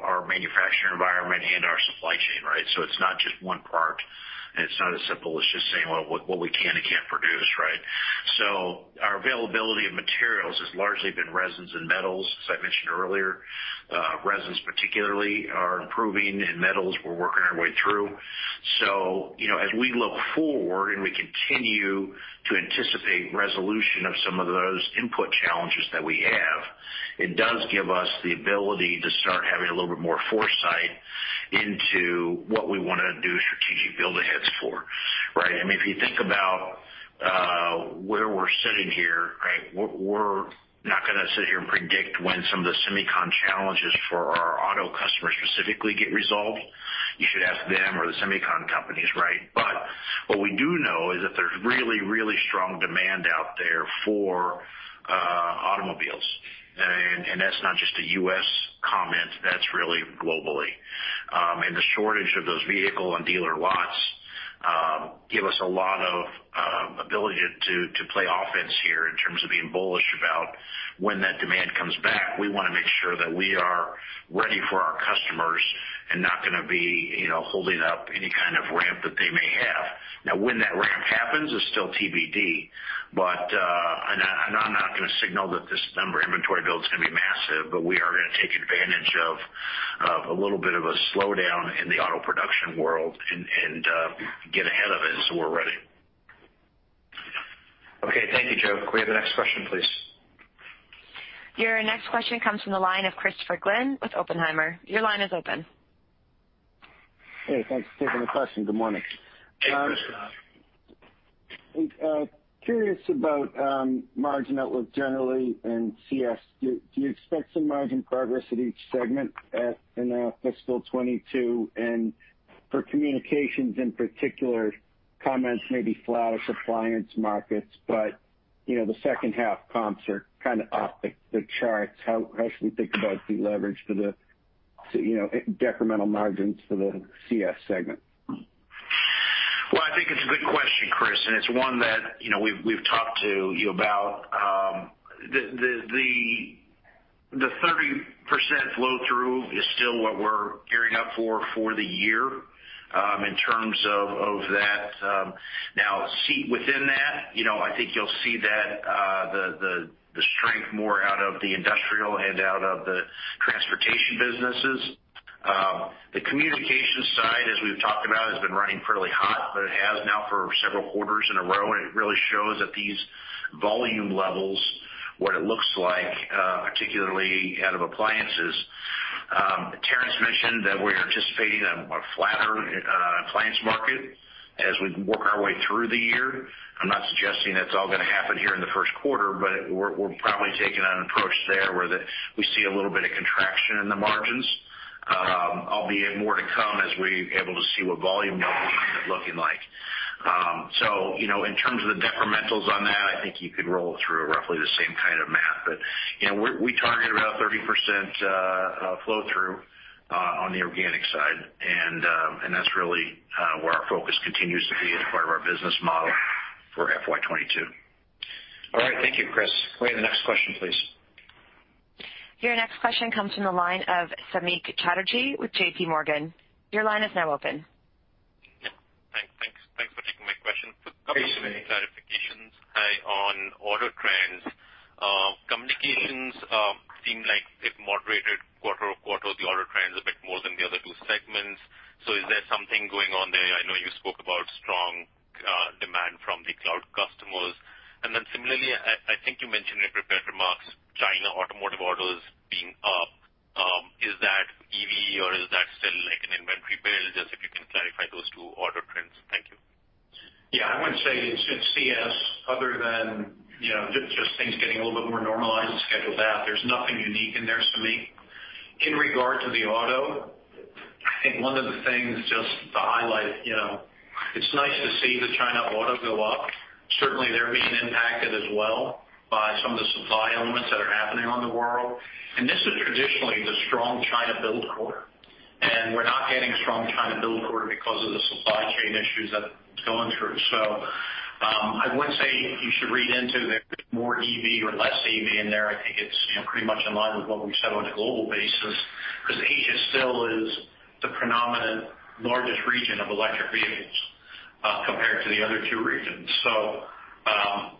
our manufacturing environment and our supply chain, right? It's not just one part, and it's not as simple as just saying, well, what we can and can't produce, right? Our availability of materials has largely been resins and metals. As I mentioned earlier, resins particularly are improving, and metals we're working our way through. You know, as we look forward and we continue to anticipate resolution of some of those input challenges that we have, it does give us the ability to start having a little bit more foresight into what we wanna do strategic build aheads for, right? I mean, if you think about where we're sitting here, right, we're not gonna sit here and predict when some of the semicon challenges for our auto customers specifically get resolved. You should ask them or the semicon companies, right? But what we do know is that there's really, really strong demand out there for automobiles. And that's not just a U.S. comment, that's really globally. And the shortage of those vehicle and dealer lots give us a lot of ability to play offense here in terms of being bullish about when that demand comes back. We wanna make sure that we are ready for our customers and not gonna be, you know, holding up any kind of ramp that they may have. Now, when that ramp happens is still TBD, but and I'm not gonna signal that this number inventory build's gonna be massive, but we are gonna take advantage of a little bit of a slowdown in the auto production world and get ahead of it so we're ready. Okay, thank you, Joe. Can we have the next question, please? Your next question comes from the line of Christopher Glynn with Oppenheimer. Your line is open. Hey, thanks for taking the question. Good morning. Hey, Christopher. I'm curious about margin outlook generally and CS. Do you expect some margin progress at each segment in fiscal 2022? For communications in particular, comments may be flat appliance markets, but you know, the second half comps are kind of off the charts. How should we think about deleverage, you know, decremental margins for the CS segment? Well, I think it's a good question, Chris, and it's one that, you know, we've talked to you about. The 30% flow through is still what we're gearing up for for the year in terms of that. Note that within that, you know, I think you'll see that the strength more out of the Industrial and out of the Transportation businesses. The Communication side, as we've talked about, has been running fairly hot, but it has now for several quarters in a row, and it really shows at these volume levels, what it looks like, particularly out of appliances. Terrence mentioned that we're anticipating a flatter appliance market as we work our way through the year. I'm not suggesting that's all gonna happen here in the first quarter, but we're probably taking an approach there where we see a little bit of contraction in the margins, albeit more to come as we're able to see what volume levels end up looking like. You know, in terms of the decrementals on that, I think you could roll through roughly the same kind of math. You know, we targeted about 30% flow through on the organic side, and that's really where our focus continues to be as part of our business model for FY 2022. All right. Thank you, Chris. Can we have the next question, please? Your next question comes from the line of Samik Chatterjee with JPMorgan. Your line is now open. Yeah. Thanks for taking my question. Hey, Samik. Couple of clarifications. On order trends, communications seem like they've moderated quarter-over-quarter, the order trends a bit more than the other two segments. Is there something going on there? I know you spoke about strong demand from the cloud customers. Similarly, I think you mentioned in prepared remarks, China automotive orders being up. Is that EV or is that still like an inventory build? Just if you can clarify those two order trends. Thank you. Yeah. I wouldn't say it's CS other than you know just things getting a little bit more normalized and scheduled out. There's nothing unique in there, Samik. In regard to the auto, I think one of the things just to highlight, you know, it's nice to see the China auto go up. Certainly, they're being impacted as well by some of the supply elements that are happening around the world. This is traditionally the strong China build quarter, and we're not getting strong China build quarter because of the supply chain issues that it's going through. I wouldn't say you should read into that more EV or less AV in there. I think it's, you know, pretty much in line with what we've said on a global basis, 'cause Asia still is the predominant largest region of electric vehicles compared to the other two regions.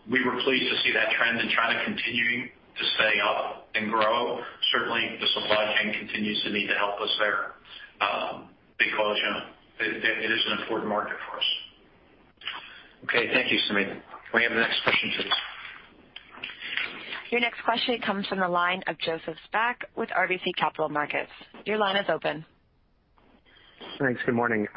We were pleased to see that trend and China continuing to stay up and grow. Certainly, the supply chain continues to need to help us there, because, you know, it is an important market for us. Okay. Thank you, Samik. Can we have the next question, please? Your next question comes from the line of Joseph Spak with RBC Capital Markets. Your line is open. Thanks. Good morning.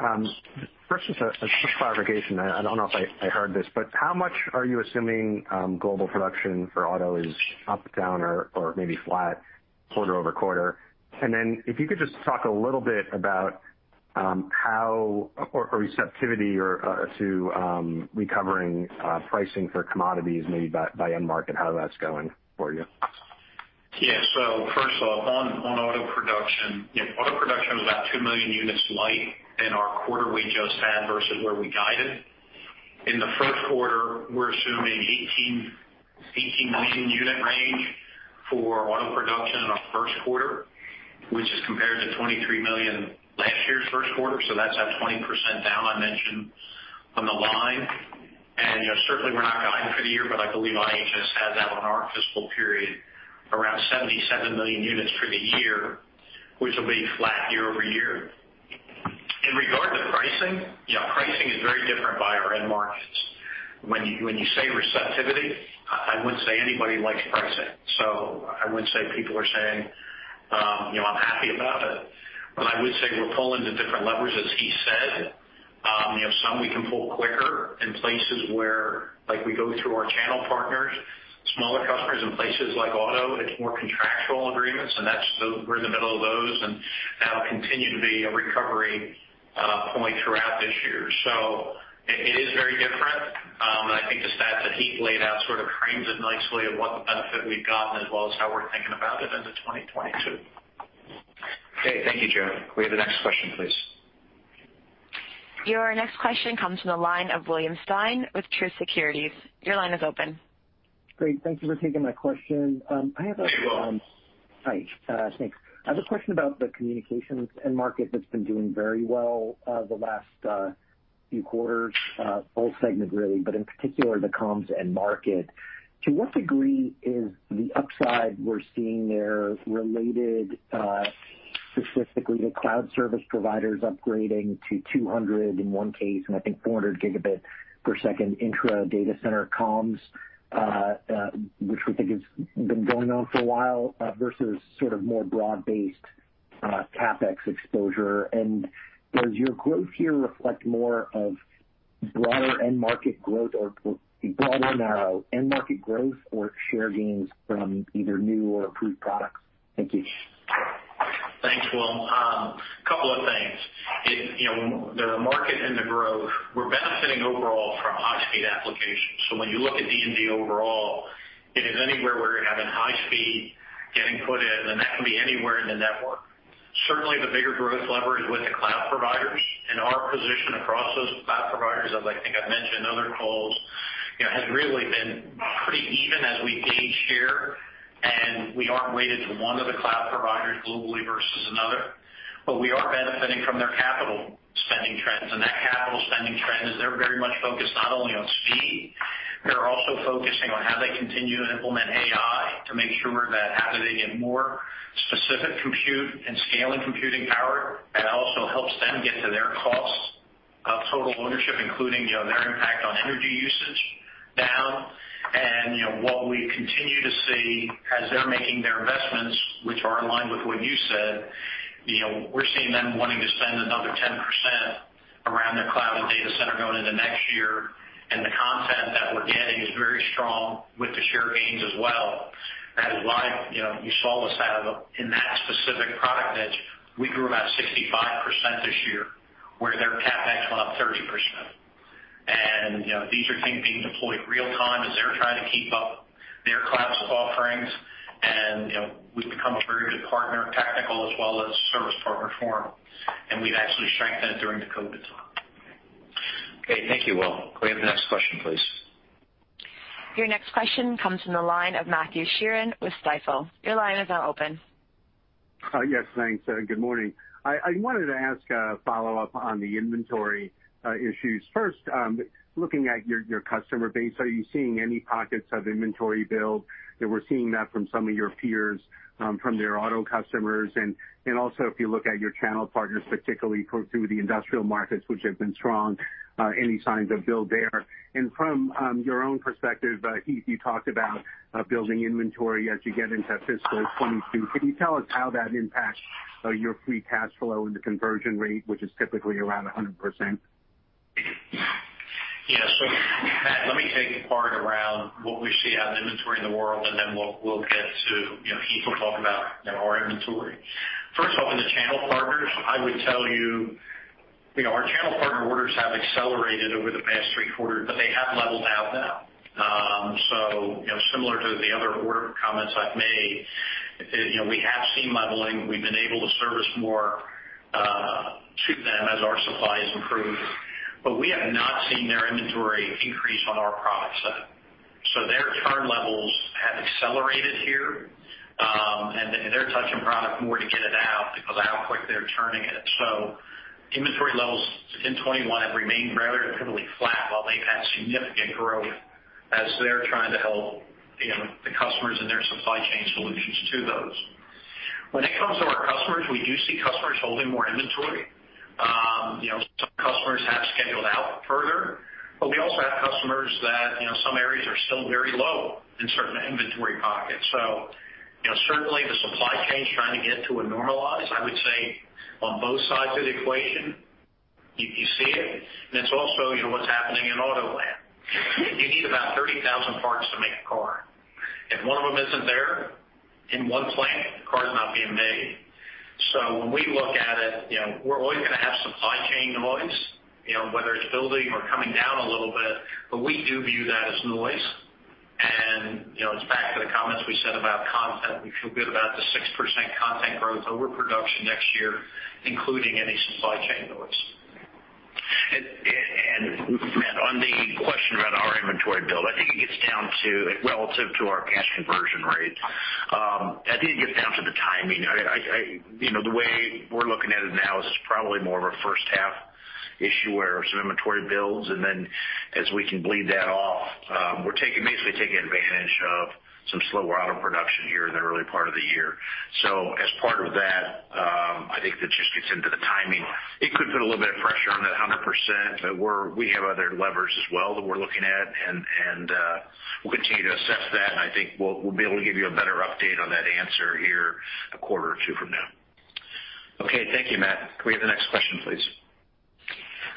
First, just a quick clarification. I don't know if I heard this, but how much are you assuming global production for auto is up, down or maybe flat quarter-over-quarter? If you could just talk a little bit about how the receptivity to recovering pricing for commodities maybe by end market, how that's going for you. Yeah. First off, on auto production, you know, auto production was about 2 million units light in our quarter we just had versus where we guided. In the first quarter, we're assuming 18-19 million unit range for auto production in our first quarter, which is compared to 23 million last year's first quarter. That's at 20% down I mentioned on the line. Certainly we're not guiding for the year, but I believe IHS has had that in our fiscal year around 77 million units for the year, which will be flat year-over-year. In regard to pricing, you know, pricing is very different by our end markets. When you say receptivity, I wouldn't say anybody likes pricing. So I wouldn't say people are saying, you know, I'm happy about it, but I would say we're pulling the different levers, as he said. You know, some we can pull quicker in places where like we go through our channel partners, smaller customers in places like auto, it's more contractual agreements, and that's where we're in the middle of those and that'll continue to be a recovery point throughout this year. So it is very different. I think the stats that Heath laid out sort of frames it nicely of what the benefit we've gotten as well as how we're thinking about it into 2022. Okay, thank you, Joe. Can we have the next question, please? Your next question comes from the line of William Stein with Truist Securities. Your line is open. Great. Thank you for taking my question. I have a question about the communications end market that's been doing very well the last few quarters, all segment really, but in particular the comms end market. To what degree is the upside we're seeing there related specifically to cloud service providers upgrading to 200G in one case, and I think 400G intra data center comms, which we think has been going on for a while, versus sort of more broad-based CapEx exposure? And does your growth here reflect more of broader end market growth or broader, narrow end market growth or share gains from either new or approved products? Thank you. Thanks, Will. Couple of things. You know, the market and the growth, we're benefiting overall from high speed applications. When you look at D&D overall, it is anywhere where you're having high speed getting put in, and that can be anywhere in the network. Certainly the bigger growth lever is with the cloud providers and our position across those cloud providers, as I think I've mentioned other calls, you know, has really been pretty even as we gauge here, and we aren't weighted to one of the cloud providers globally versus another. We are benefiting from their capital spending trends. That capital spending trend is they're very much focused not only on speed, they're also focusing on how they continue to implement AI to make sure that how do they get more specific compute and scaling computing power that also helps them get to their costs of total ownership, including, you know, their impact on energy usage down. You know, what we continue to see as they're making their investments, which are in line with what you said, you know, we're seeing them wanting to spend another 10% around their cloud and data center going into next year. The content that we're getting is very strong with the share gains as well, that is why, you know, you saw us have in that specific product niche, we grew about 65% this year where their CapEx went up 30%. You know, these are things being deployed real time as they're trying to keep up their cloud offerings. You know, we've become a very good partner, technical as well as service partner for them, and we've actually strengthened during the COVID time. Okay, thank you, Will. Can we have the next question, please? Your next question comes from the line of Matt Sheerin with Stifel. Your line is now open. Yes, thanks. Good morning. I wanted to ask a follow-up on the inventory issues. First, looking at your customer base, are you seeing any pockets of inventory build that we're seeing from some of your peers from their auto customers? Also, if you look at your channel partners, particularly through the industrial markets which have been strong, any signs of build there? From your own perspective, Heath, you talked about building inventory as you get into fiscal 2022. Can you tell us how that impacts your free cash flow and the conversion rate, which is typically around 100%? Yeah. Matt, let me take the part around what we see out in the inventory in the world, and then we'll get to, you know, Heath will talk about, you know, our inventory. First off, in the channel partners, I would tell you know, our channel partner orders have accelerated over the past three quarters, but they have leveled out now. Similar to the other order comments I've made, you know, we have seen leveling. We've been able to service more to them as our supply has improved. We have not seen their inventory increase on our product side. Their turn levels have accelerated here, and they're touching product more to get it out because of how quick they're turning it. Inventory levels in 2021 have remained relatively flat while they've had significant growth as they're trying to help, you know, the customers and their supply chain solutions to those. When it comes to our customers, we do see customers holding more inventory. You know, some customers have scheduled out further, but we also have customers that, you know, some areas are still very low in certain inventory pockets. You know, certainly the supply chain's trying to get to a normalization, I would say on both sides of the equation. You see it and it's also, you know, what's happening in auto land. You need about 30,000 parts to make a car. If one of them isn't there in one plant, the car's not being made. When we look at it, you know, we're always gonna have supply chain noise, you know, whether it's building or coming down a little bit. We do view that as noise. You know, it's back to the comments we said about content. We feel good about the 6% content growth over production next year, including any supply chain noise. Matt, on the question about our inventory build. Down to relative to our cash conversion rate. I think it gets down to the timing. You know, the way we're looking at it now is it's probably more of a first half issue where some inventory builds, and then as we can bleed that off, we're basically taking advantage of some slower auto production here in the early part of the year. As part of that, I think that just gets into the timing. It could put a little bit of pressure on that 100%, but we have other levers as well that we're looking at, and we'll continue to assess that, and I think we'll be able to give you a better update on that answer here a quarter or two from now. Okay. Thank you, Matt. Can we have the next question, please?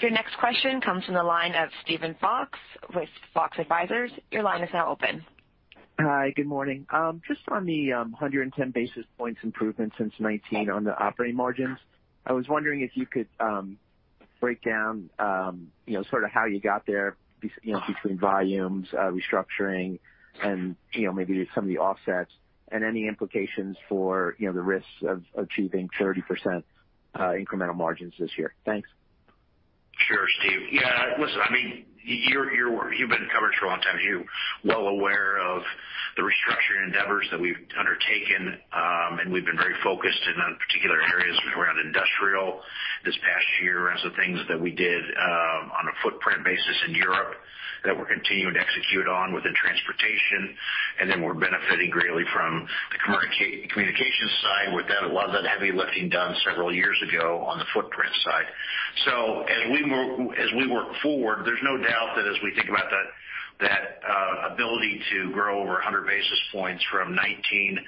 Your next question comes from the line of Steven Fox with Fox Advisors. Your line is now open. Hi. Good morning. Just on the 110 basis points improvement since 2019 on the operating margins. I was wondering if you could break down you know sort of how you got there you know between volumes restructuring and you know maybe some of the offsets and any implications for you know the risks of achieving 30% incremental margins this year. Thanks. Sure, Steve. Listen, I mean, you've been in coverage for a long time. You're well aware of the restructuring endeavors that we've undertaken, and we've been very focused in on particular areas around Industrial this past year as the things that we did on a footprint basis in Europe that we're continuing to execute on within Transportation. We're benefiting greatly from the Communications side with that, a lot of that heavy lifting done several years ago on the footprint side. As we work forward, there's no doubt that as we think about that ability to grow over 100 basis points from 2019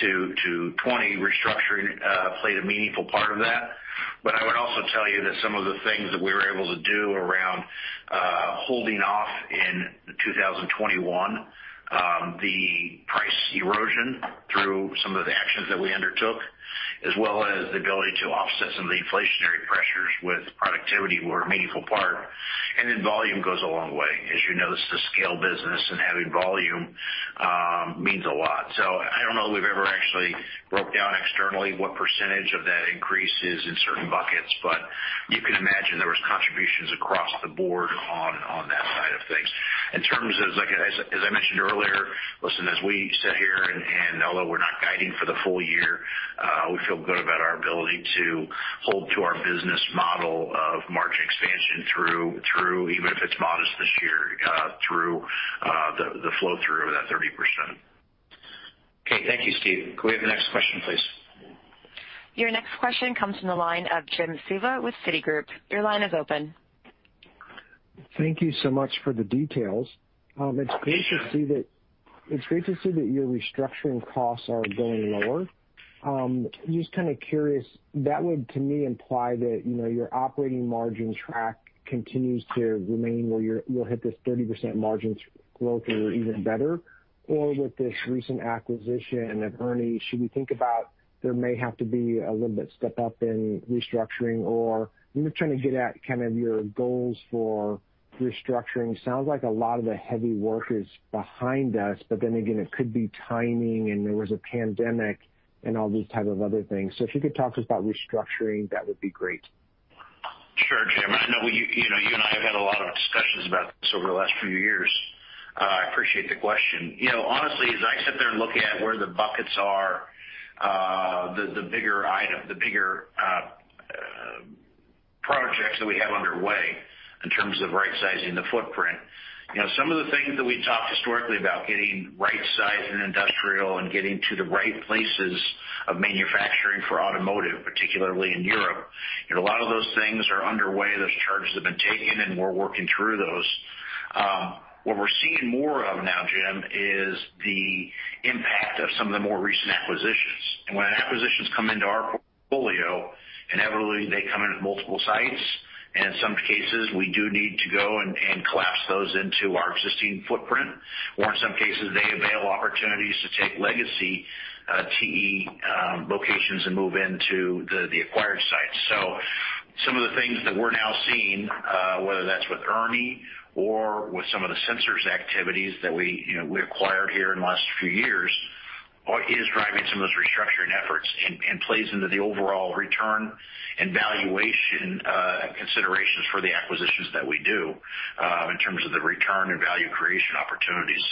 to 2020, restructuring played a meaningful part of that. I would also tell you that some of the things that we were able to do around, holding off in 2021, the price erosion through some of the actions that we undertook, as well as the ability to offset some of the inflationary pressures with productivity were a meaningful part. Volume goes a long way. As you know, this is a scale business, and having volume means a lot. I don't know that we've ever actually broke down externally what percentage of that increase is in certain buckets, but you can imagine there was contributions across the board on that side of things. In terms of like, as I mentioned earlier, listen, as we sit here, although we're not guiding for the full year, we feel good about our ability to hold to our business model of margin expansion through even if it's modest this year, through the flow through of that 30%. Okay. Thank you, Steve. Can we have the next question, please? Your next question comes from the line of Jim Suva with Citigroup. Your line is open. Thank you so much for the details. It's great to see that. Yeah. It's great to see that your restructuring costs are going lower. Just kind of curious, that would, to me, imply that, you know, your operating margin track continues to remain where you'll hit this 30% margins growth or even better. With this recent acquisition of ERNI, should we think about there may have to be a little bit step-up in restructuring? I'm just trying to get at kind of your goals for restructuring. Sounds like a lot of the heavy work is behind us, but then again, it could be timing, and there was a pandemic and all these type of other things. If you could talk to us about restructuring, that would be great. Sure, Jim. I know you know, you and I have had a lot of discussions about this over the last few years. I appreciate the question. You know, honestly, as I sit there and look at where the buckets are, the bigger item, the bigger projects that we have underway in terms of rightsizing the footprint. You know, some of the things that we talked historically about getting right size in Industrial and getting to the right places of manufacturing for Automotive, particularly in Europe. You know, a lot of those things are underway. Those charges have been taken, and we're working through those. What we're seeing more of now, Jim, is the impact of some of the more recent acquisitions. When acquisitions come into our portfolio, inevitably they come in at multiple sites, and in some cases, we do need to go and collapse those into our existing footprint, or in some cases, they avail opportunities to take legacy TE locations and move into the acquired sites. Some of the things that we're now seeing, whether that's with ERNI or with some of the sensors activities that we, you know, we acquired here in the last few years, is driving some of those restructuring efforts and plays into the overall return and valuation considerations for the acquisitions that we do in terms of the return and value creation opportunities.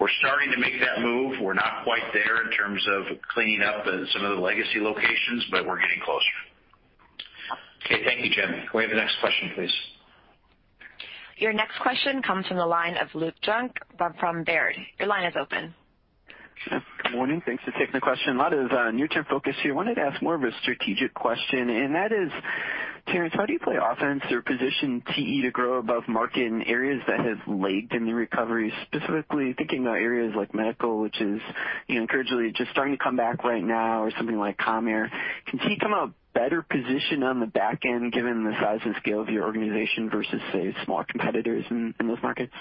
We're starting to make that move. We're not quite there in terms of cleaning up some of the legacy locations, but we're getting closer. Okay. Thank you, Jim. Can we have the next question, please? Your next question comes from the line of Luke Junk from Baird. Your line is open. Good morning. Thanks for taking the question. A lot of near-term focus here. Wanted to ask more of a strategic question, and that is, Terrence, how do you play offense or position TE to grow above market in areas that have lagged in the recovery? Specifically thinking about areas like medical, which is, you know, gradually just starting to come back right now or something like commercial aerospace. Can TE come out better positioned on the back end given the size and scale of your organization versus, say, smaller competitors in those markets?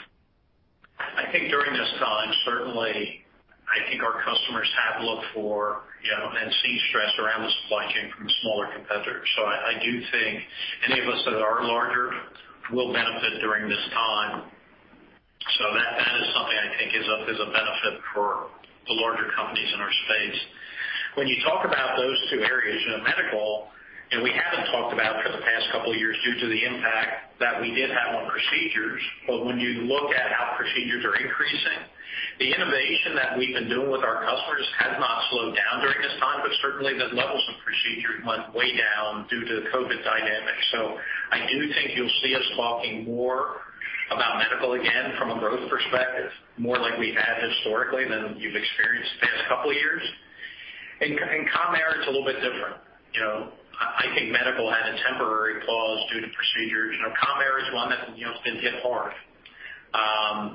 I think during this time, certainly, I think our customers have looked for, you know, and seen stress around the supply chain from smaller competitors. I do think any of us that are larger will benefit during this time. That is something I think is a benefit for the larger companies in our space. When you talk about those two areas, you know, medical, and we haven't talked about for the past couple of years due to the impact that we did have on procedures. When you look at how procedures are increasing, the innovation that we've been doing with our customers has not slowed down during this time, but certainly the levels of procedure went way down due to the COVID dynamics. I do think you'll see us talking more about medical again from a growth perspective, more like we had historically than you've experienced the past couple of years. In com air, it's a little bit different. You know, I think medical had a temporary close due to procedures. You know, com air is one that, you know, it's been hit hard.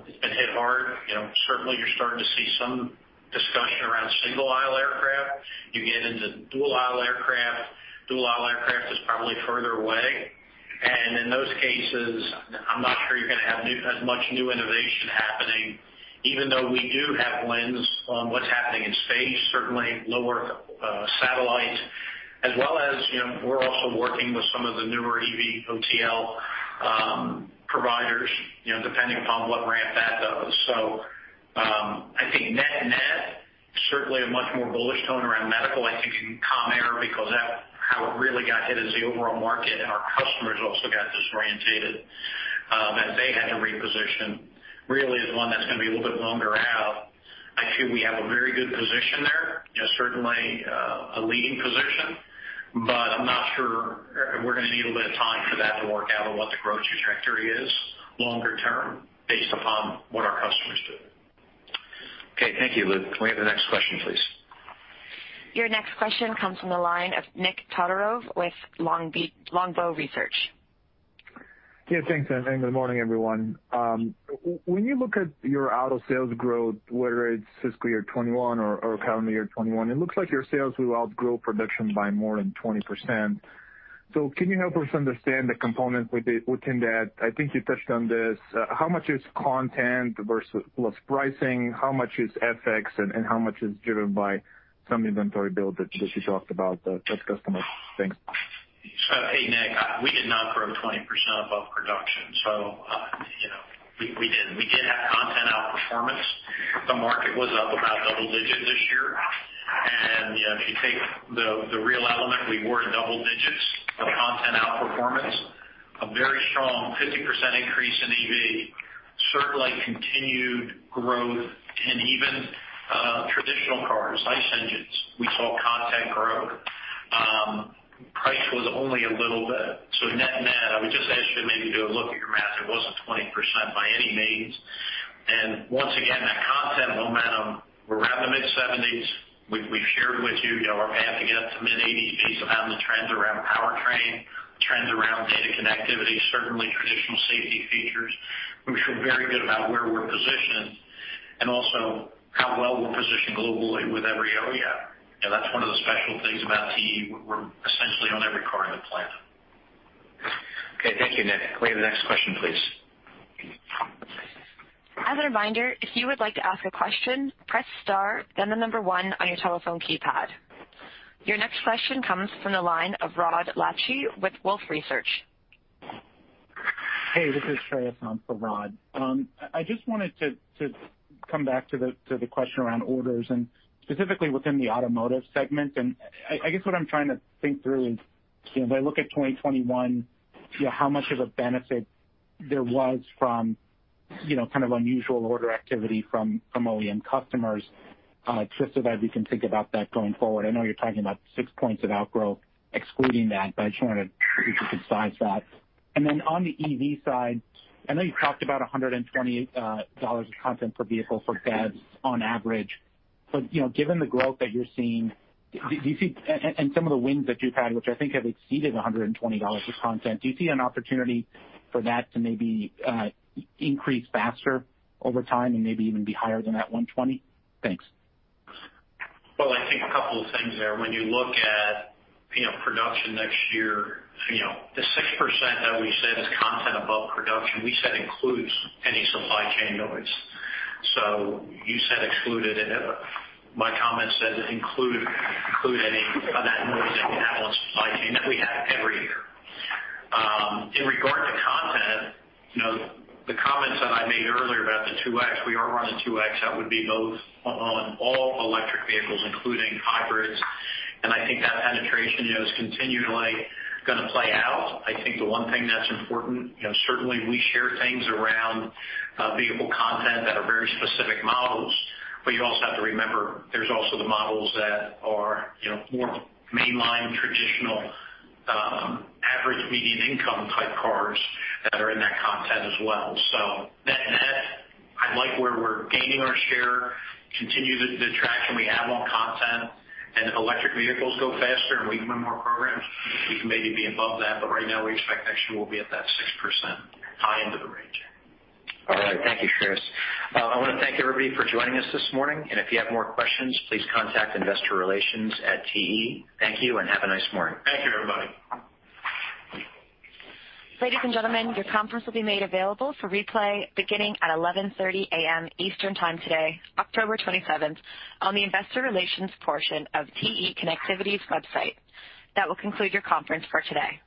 It's been hit hard. You know, certainly you're starting to see some discussion around single aisle aircraft. You get into dual aisle aircraft. Dual aisle aircraft is probably further away. In those cases, I'm not sure you're gonna have as much new innovation happening, even though we do have a lens on what's happening in space, certainly LEO satellite, as well as, you know, we're also working with some of the newer EV eVTOL providers, you know, depending upon what ramp that does. I think net net, certainly a much more bullish tone around medical. I think in commercial aerospace because that's how it really got hit as the overall market and our customers also got disoriented, as they had to reposition really is one that's gonna be a little bit longer out. I'd say we have a very good position there. You know, certainly a leading position, but I'm not sure we're gonna need a bit of time for that to work out on what the growth trajectory is longer term based upon what our customers do. Okay, thank you, Luke. Can we have the next question, please? Your next question comes from the line of Nikolay Todorov with Longbow Research. Yeah, thanks, and good morning, everyone. When you look at your auto sales growth, whether it's fiscal year 2021 or calendar year 2021, it looks like your sales will outgrow production by more than 20%. Can you help us understand the component within that? I think you touched on this. How much is content versus plus pricing? How much is FX? How much is driven by some inventory build that you talked about that's customer? Thanks. Hey, Nick, we did not grow 20% above production. We didn't. We did have content outperformance. The market was up about double digits this year. If you take the real element, we were in double digits of content outperformance, a very strong 50% increase in EV, certainly continued growth in even traditional cars, ICE engines. We saw content growth. Price was only a little bit. Net net, I would just ask you to maybe do a look at your math. It wasn't 20% by any means. Once again, that content momentum, we're around the mid-$70s. We've shared with you know, our path to get up to mid-$80s based upon the trends around powertrain, trends around data connectivity, certainly traditional safety features. We feel very good about where we're positioned and also how well we're positioned globally with every OEM. You know, that's one of the special things about TE. We're essentially on every car on the planet. Okay, thank you, Nick. Can we have the next question, please? As a reminder, if you would like to ask a question, press star then the number one on your telephone keypad. Your next question comes from the line of Rod Lache with Wolfe Research. Hey, this is Shreyas on for Rod. I just wanted to come back to the question around orders and specifically within the Automotive segment. I guess what I'm trying to think through is, you know, if I look at 2021, you know, how much of a benefit there was from, you know, kind of unusual order activity from OEM customers, just so that we can think about that going forward. I know you're talking about six points of outgrow excluding that, but I just wanted if you could size that. On the EV side, I know you talked about $120 of content per vehicle for BEVs on average, but, you know, given the growth that you're seeing, do you see... Some of the wins that you've had, which I think have exceeded $120 of content, do you see an opportunity for that to maybe increase faster over time and maybe even be higher than that $120? Thanks. Well, I think a couple of things there. When you look at, you know, production next year, you know, the 6% that we said is content above production, we said includes any supply chain noise. So you said excluded it, my comment says include any of that noise that you have on supply chain that we have every year. In regard to content, you know, the comments that I made earlier about the 2x, we are running 2x. That would be both on all electric vehicles, including hybrids. I think that penetration, you know, is continually gonna play out. I think the one thing that's important, you know, certainly we share things around vehicle content that are very specific models, but you also have to remember there's also the models that are, you know, more mainline, traditional, average median income type cars that are in that content as well. Net net, I like where we're gaining our share, continue the traction we have on content, and if electric vehicles go faster and we can win more programs, we can maybe be above that. Right now we expect next year we'll be at that 6% high end of the range. All right. Thank you, Shreyas. I wanna thank everybody for joining us this morning. If you have more questions, please contact investor relations at TE. Thank you, and have a nice morning. Thank you, everybody. Ladies and gentlemen, your conference will be made available for replay beginning at 11:30 A.M. Eastern Time today, October 27, on the investor relations portion of TE Connectivity's website. That will conclude your conference for today.